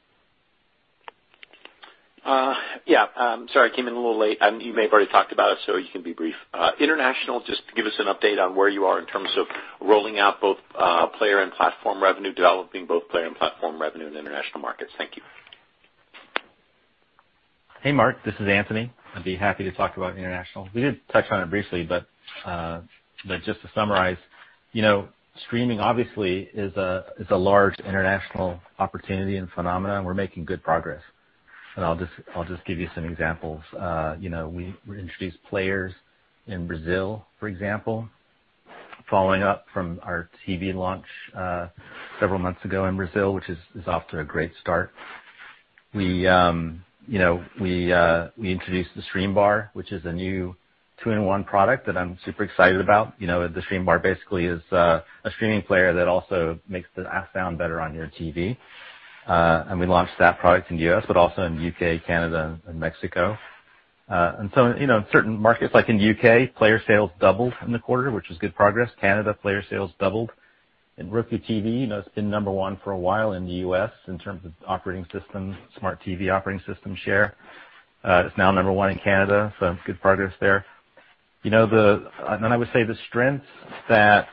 Yeah. Sorry I came in a little late. You may have already talked about it, so you can be brief. International, just give us an update on where you are in terms of rolling out both player and platform revenue, developing both player and platform revenue in international markets. Thank you. Hey, Mark, this is Anthony. I'd be happy to talk about international. We did touch on it briefly, but just to summarize, streaming obviously is a large international opportunity and phenomenon. We're making good progress. I'll just give you some examples. We introduced players in Brazil, for example, following up from our TV launch several months ago in Brazil, which is off to a great start. We introduced the Streambar, which is a new two-in-one product that I'm super excited about. The Streambar basically is a streaming player that also makes the sound better on your TV. We launched that product in the U.S., but also in U.K., Canada and Mexico. In certain markets, like in U.K., player sales doubled in the quarter, which was good progress. Canada, player sales doubled. Roku TV, it's been number one for a while in the U.S. in terms of operating system, smart TV operating system share. It's now number one in Canada, so that's good progress there. I would say the strengths that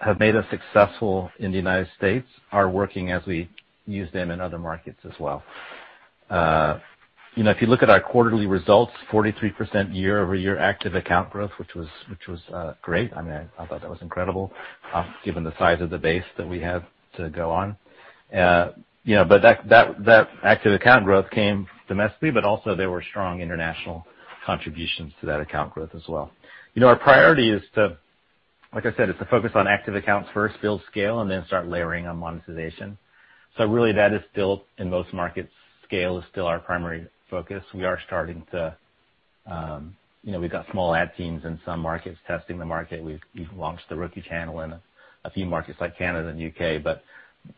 have made us successful in the United States are working as we use them in other markets as well. If you look at our quarterly results, 43% year-over-year active account growth, which was great. I thought that was incredible given the size of the base that we have to go on. That active account growth came domestically, but also there were strong international contributions to that account growth as well. Our priority is to, like I said, is to focus on active accounts first, build scale, and then start layering on monetization. Really that is still, in most markets, scale is still our primary focus. We've got small ad teams in some markets testing the market. We've launched The Roku Channel in a few markets like Canada and U.K.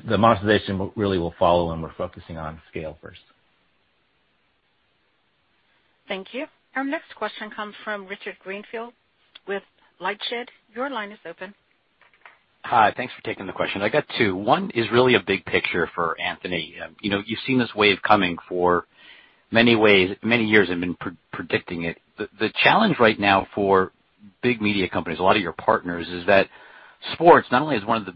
The monetization really will follow and we're focusing on scale first. Thank you. Our next question comes from Richard Greenfield with LightShed. Your line is open. Hi. Thanks for taking the question. I got two. One is really a big picture for Anthony. You've seen this wave coming for many years and been predicting it. The challenge right now for big media companies, a lot of your partners, is that sports not only is one of the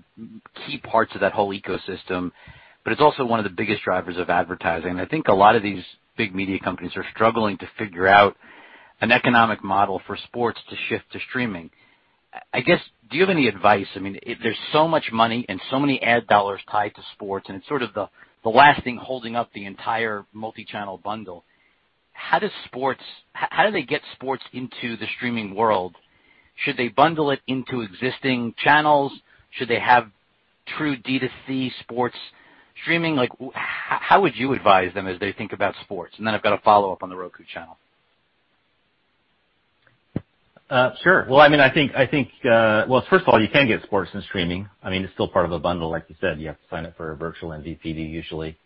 key parts of that whole ecosystem, but it's also one of the biggest drivers of advertising. I think a lot of these big media companies are struggling to figure out an economic model for sports to shift to streaming. I guess, do you have any advice? There's so much money and so many ad dollars tied to sports, and it's sort of the last thing holding up the entire multi-channel bundle. How do they get sports into the streaming world? Should they bundle it into existing channels? Should they have true D2C sports streaming? How would you advise them as they think about sports? I've got a follow-up on The Roku Channel. Sure. Well, first of all, you can get sports in streaming. It's still part of a bundle, like you said. You have to sign up for a virtual MVPD usually.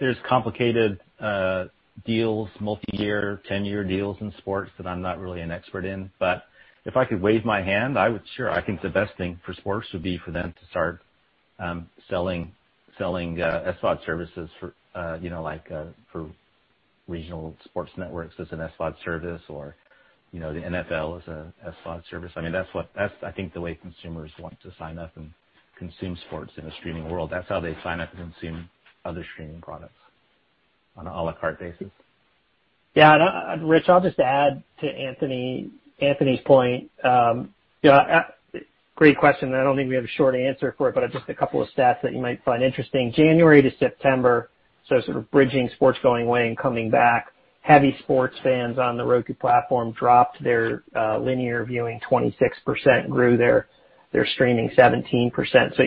There's complicated deals, multi-year, 10-year deals in sports that I'm not really an expert in. If I could wave my hand, sure, I think the best thing for sports would be for them to start selling SVOD services, like for regional sports networks as an SVOD service, or the NFL as an SVOD service. That's I think the way consumers want to sign up and consume sports in a streaming world. That's how they sign up and consume other streaming products, on an à la carte basis. Rich, I'll just add to Anthony's point. Great question, I don't think we have a short answer for it, just a couple of stats that you might find interesting. January to September, sort of bridging sports going away and coming back, heavy sports fans on the Roku Platform dropped their linear viewing 26%, grew their streaming 17%.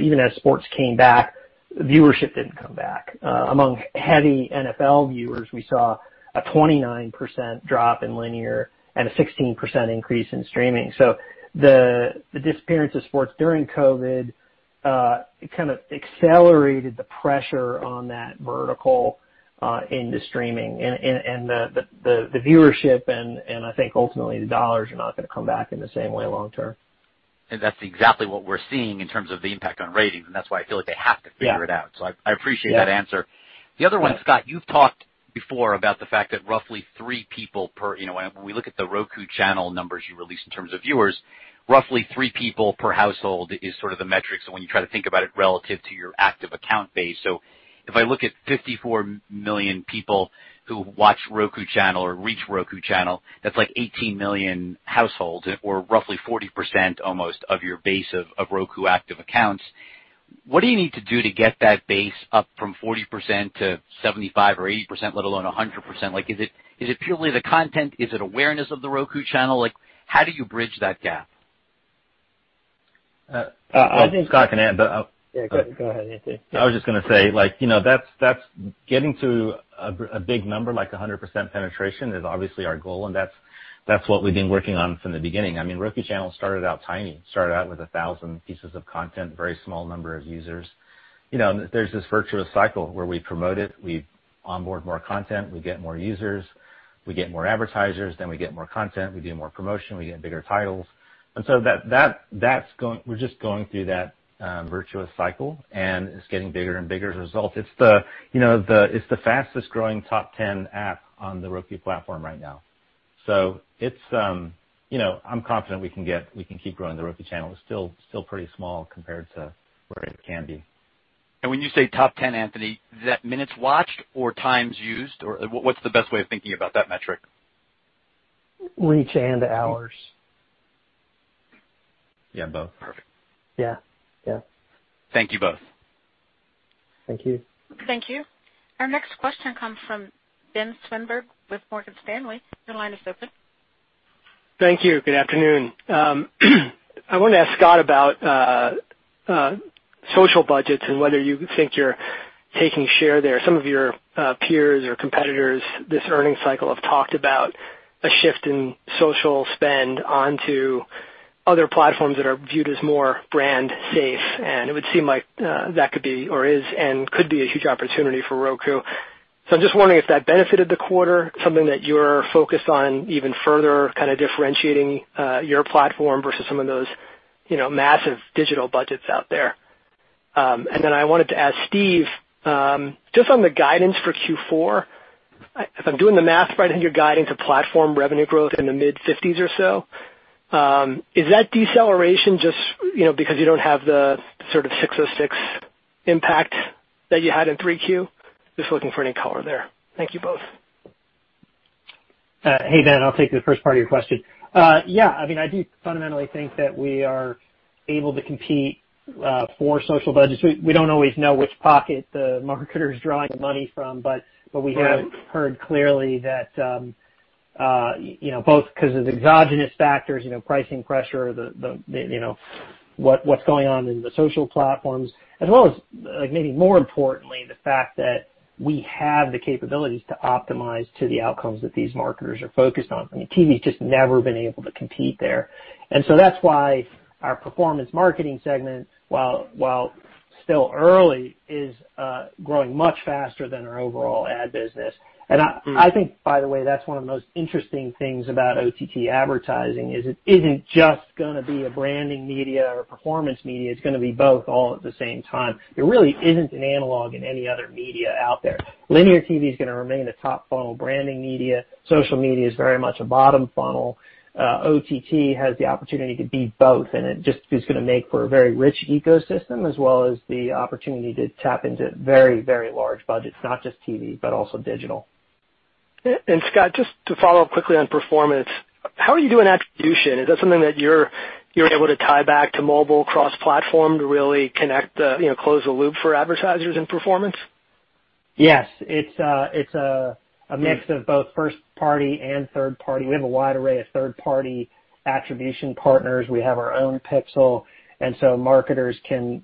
Even as sports came back, viewership didn't come back. Among heavy NFL viewers, we saw a 29% drop in linear and a 16% increase in streaming. The disappearance of sports during COVID kind of accelerated the pressure on that vertical into streaming. The viewership, and I think ultimately the dollars, are not going to come back in the same way long term. That's exactly what we're seeing in terms of the impact on ratings, and that's why I feel like they have to figure it out. Yeah. I appreciate that answer. The other one, Scott, you've talked before about the fact that roughly three people per-- when we look at The Roku Channel numbers you released in terms of viewers, roughly three people per household is sort of the metric. When you try to think about it relative to your active account base. If I look at 54 million people who watch The Roku Channel or reach The Roku Channel, that's like 18 million households or roughly 40% almost of your base of Roku active accounts. What do you need to do to get that base up from 40%-75% or 80%, let alone 100%? Is it purely the content? Is it awareness of The Roku Channel? How do you bridge that gap? I think Scott can add. Yeah, go ahead, Anthony. I was just going to say, getting to a big number like 100% penetration is obviously our goal. That's what we've been working on from the beginning. Roku Channel started out tiny, started out with 1,000 pieces of content, very small number of users. There's this virtuous cycle where we promote it, we onboard more content, we get more users, we get more advertisers. We get more content, we do more promotion, we get bigger titles. We're just going through that virtuous cycle. It's getting bigger and bigger as a result. It's the fastest growing top 10 app on The Roku Platform right now. I'm confident we can keep growing The Roku Channel. It's still pretty small compared to where it can be. When you say top 10, Anthony, is that minutes watched or times used, or what's the best way of thinking about that metric? Reach and hours. Yeah, both. Perfect. Yeah. Thank you both. Thank you. Thank you. Our next question comes from Benjamin Swinburne with Morgan Stanley. Your line is open. Thank you. Good afternoon. I want to ask Scott about social budgets and whether you think you're taking share there. Some of your peers or competitors this earning cycle have talked about a shift in social spend onto other platforms that are viewed as more brand safe, and it would seem like that could be, or is and could be, a huge opportunity for Roku. I'm just wondering if that benefited the quarter, something that you're focused on even further, kind of differentiating your platform versus some of those massive digital budgets out there. Then I wanted to ask Steve, just on the guidance for Q4, if I'm doing the math right on your guidance of platform revenue growth in the mid-50s or so, is that deceleration just because you don't have the sort of 606 impact that you had in 3Q? Just looking for any color there. Thank you both. Hey, Ben. I'll take the first part of your question. Yeah, I do fundamentally think that we are able to compete for social budgets. We don't always know which pocket the marketer's drawing the money from, but we have heard clearly that both because of exogenous factors, pricing pressure, what's going on in the social platforms, as well as, maybe more importantly, the fact that we have the capabilities to optimize to the outcomes that these marketers are focused on. TV's just never been able to compete there. That's why our performance marketing segment, while still early, is growing much faster than our overall ad business. I think, by the way, that's one of the most interesting things about OTT advertising, is it isn't just going to be a branding media or performance media. It's going to be both all at the same time. There really isn't an analog in any other media out there. Linear TV is going to remain a top-funnel branding media. Social media is very much a bottom funnel. OTT has the opportunity to be both, and it just is going to make for a very rich ecosystem as well as the opportunity to tap into very large budgets, not just TV, but also digital. Scott, just to follow up quickly on performance, how are you doing attribution? Is that something that you're able to tie back to mobile cross-platform to really connect, close the loop for advertisers and performance? Yes. It's a mix of both first party and third party. We have a wide array of third-party attribution partners. We have our own pixel. Marketers can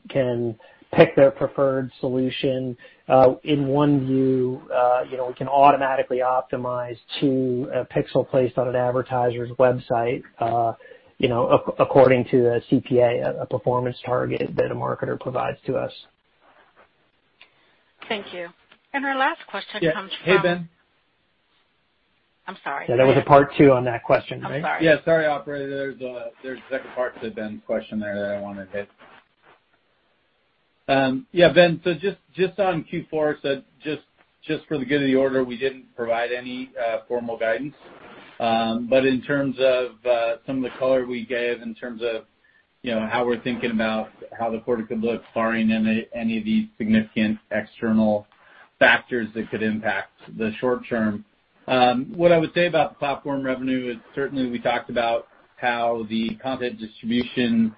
pick their preferred solution. In OneView, we can automatically optimize to a pixel placed on an advertiser's website according to a CPA, a performance target that a marketer provides to us. Thank you. Our last question comes from- Yeah. Hey, Ben. I'm sorry. Yeah, there was a part two on that question, right? I'm sorry. Yeah. Sorry, operator. There's a second part to Ben's question there that I want to hit. Yeah, Ben. Just on Q4, just for the good of the order, we didn't provide any formal guidance. In terms of some of the color we gave in terms of how we're thinking about how the quarter could look barring any of these significant external factors that could impact the short term. What I would say about platform revenue is certainly we talked about how the content distribution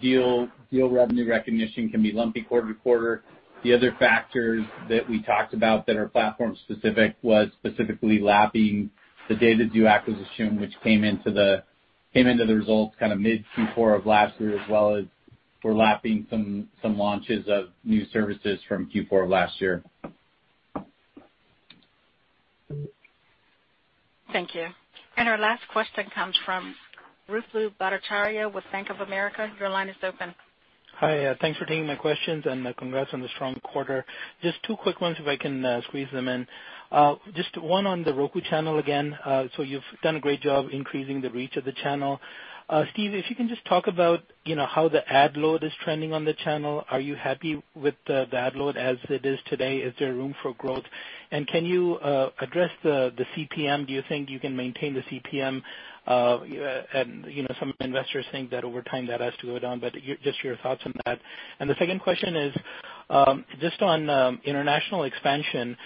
deal revenue recognition can be lumpy quarter to quarter. The other factors that we talked about that are platform specific was specifically lapping the DataXu acquisition, which came into the results mid Q4 of last year, as well as for lapping some launches of new services from Q4 of last year. Thank you. Our last question comes from Ruplu Bhattacharya with Bank of America. Your line is open. Hi. Thanks for taking my questions and congrats on the strong quarter. Just two quick ones if I can squeeze them in. Just one on The Roku Channel again. You've done a great job increasing the reach of the channel. Steve, if you can just talk about how the ad load is trending on the channel. Are you happy with the ad load as it is today? Is there room for growth? Can you address the CPM? Do you think you can maintain the CPM? Some investors think that over time that has to go down, just your thoughts on that. The second question is just on international expansion.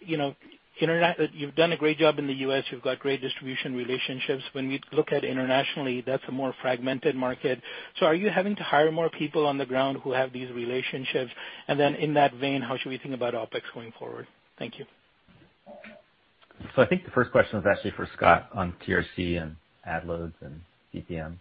You've done a great job in the U.S. You've got great distribution relationships. When we look at internationally, that's a more fragmented market. Are you having to hire more people on the ground who have these relationships? In that vein, how should we think about OpEx going forward? Thank you. I think the first question was actually for Scott on TRC and ad loads and CPMs.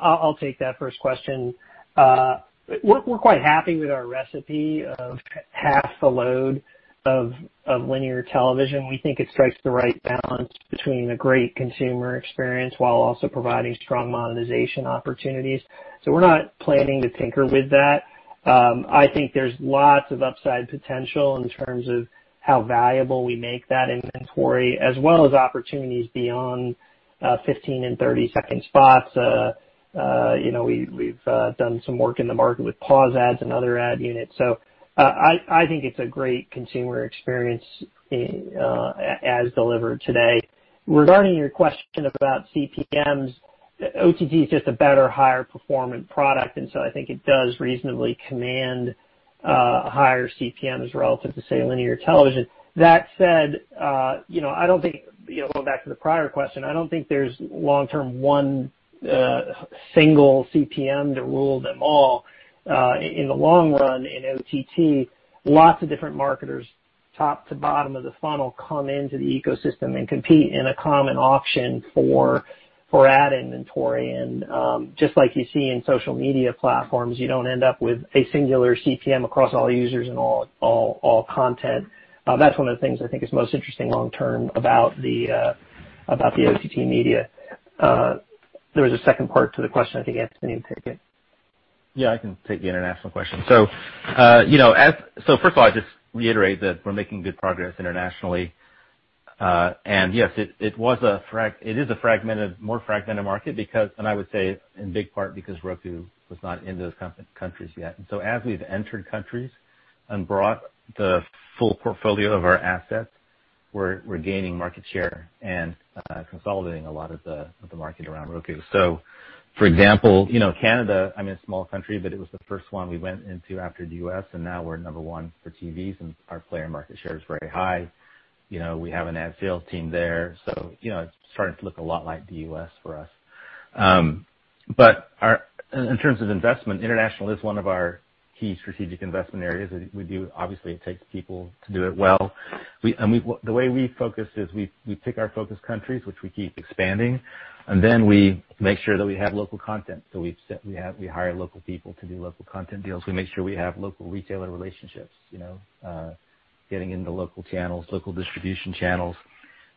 I'll take that first question. We're quite happy with our recipe of half the load of linear television. We think it strikes the right balance between a great consumer experience while also providing strong monetization opportunities. We're not planning to tinker with that. I think there's lots of upside potential in terms of how valuable we make that inventory, as well as opportunities beyond 15 and 30-second spots. We've done some work in the market with pause ads and other ad units. I think it's a great consumer experience as delivered today. Regarding your question about CPMs, OTT is just a better, higher-performing product, and so I think it does reasonably command higher CPMs relative to, say, linear television. That said, going back to the prior question, I don't think there's long-term one single CPM to rule them all. In the long run, in OTT, lots of different marketers, top to bottom of the funnel, come into the ecosystem and compete in a common auction for ad inventory. Just like you see in social media platforms, you don't end up with a singular CPM across all users and all content. That's one of the things I think is most interesting long term about the OTT media. There was a second part to the question. I think Anthony can take it. Yeah, I can take the international question. First of all, I just reiterate that we're making good progress internationally. Yes, it is a more fragmented market because, and I would say in big part, because Roku was not in those countries yet. As we've entered countries and brought the full portfolio of our assets, we're gaining market share and consolidating a lot of the market around Roku. For example, Canada, I mean, a small country, but it was the first one we went into after the U.S., and now we're number one for TVs, and our player market share is very high. We have an ad sales team there, it's starting to look a lot like the U.S. for us. In terms of investment, international is one of our key strategic investment areas. Obviously, it takes people to do it well. The way we focus is we pick our focus countries, which we keep expanding, we make sure that we have local content. We hire local people to do local content deals. We make sure we have local retailer relationships, getting into local channels, local distribution channels.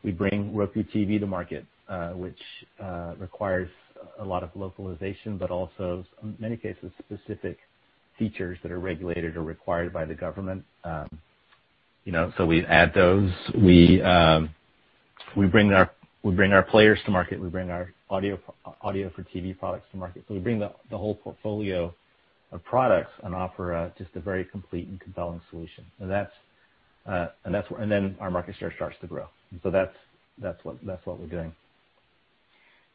We bring Roku TV to market, which requires a lot of localization, but also, in many cases, specific features that are regulated or required by the government. We add those. We bring our players to market. We bring our audio for TV products to market. We bring the whole portfolio of products and offer just a very complete and compelling solution. Our market share starts to grow. That's what we're doing.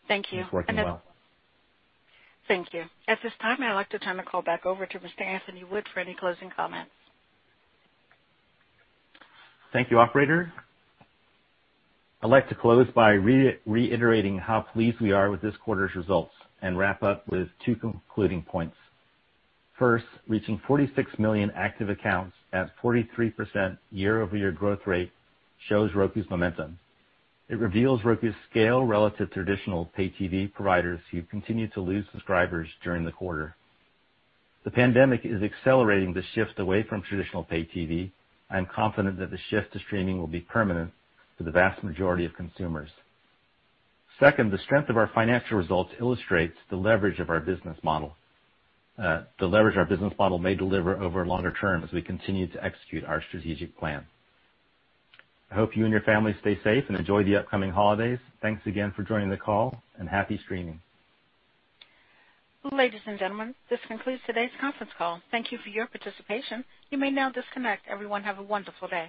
Thank you. It's working well. Thank you. At this time, I'd like to turn the call back over to Mr. Anthony Wood for any closing comments. Thank you, operator. I'd like to close by reiterating how pleased we are with this quarter's results and wrap up with two concluding points. First, reaching 46 million active accounts at 43% year-over-year growth rate shows Roku's momentum. It reveals Roku's scale relative to traditional pay TV providers, who continue to lose subscribers during the quarter. The pandemic is accelerating the shift away from traditional pay TV. I am confident that the shift to streaming will be permanent for the vast majority of consumers. Second, the strength of our financial results illustrates the leverage our business model may deliver over longer term as we continue to execute our strategic plan. I hope you and your family stay safe and enjoy the upcoming holidays. Thanks again for joining the call, and happy streaming. Ladies and gentlemen, this concludes today's conference call. Thank you for your participation. You may now disconnect. Everyone have a wonderful day.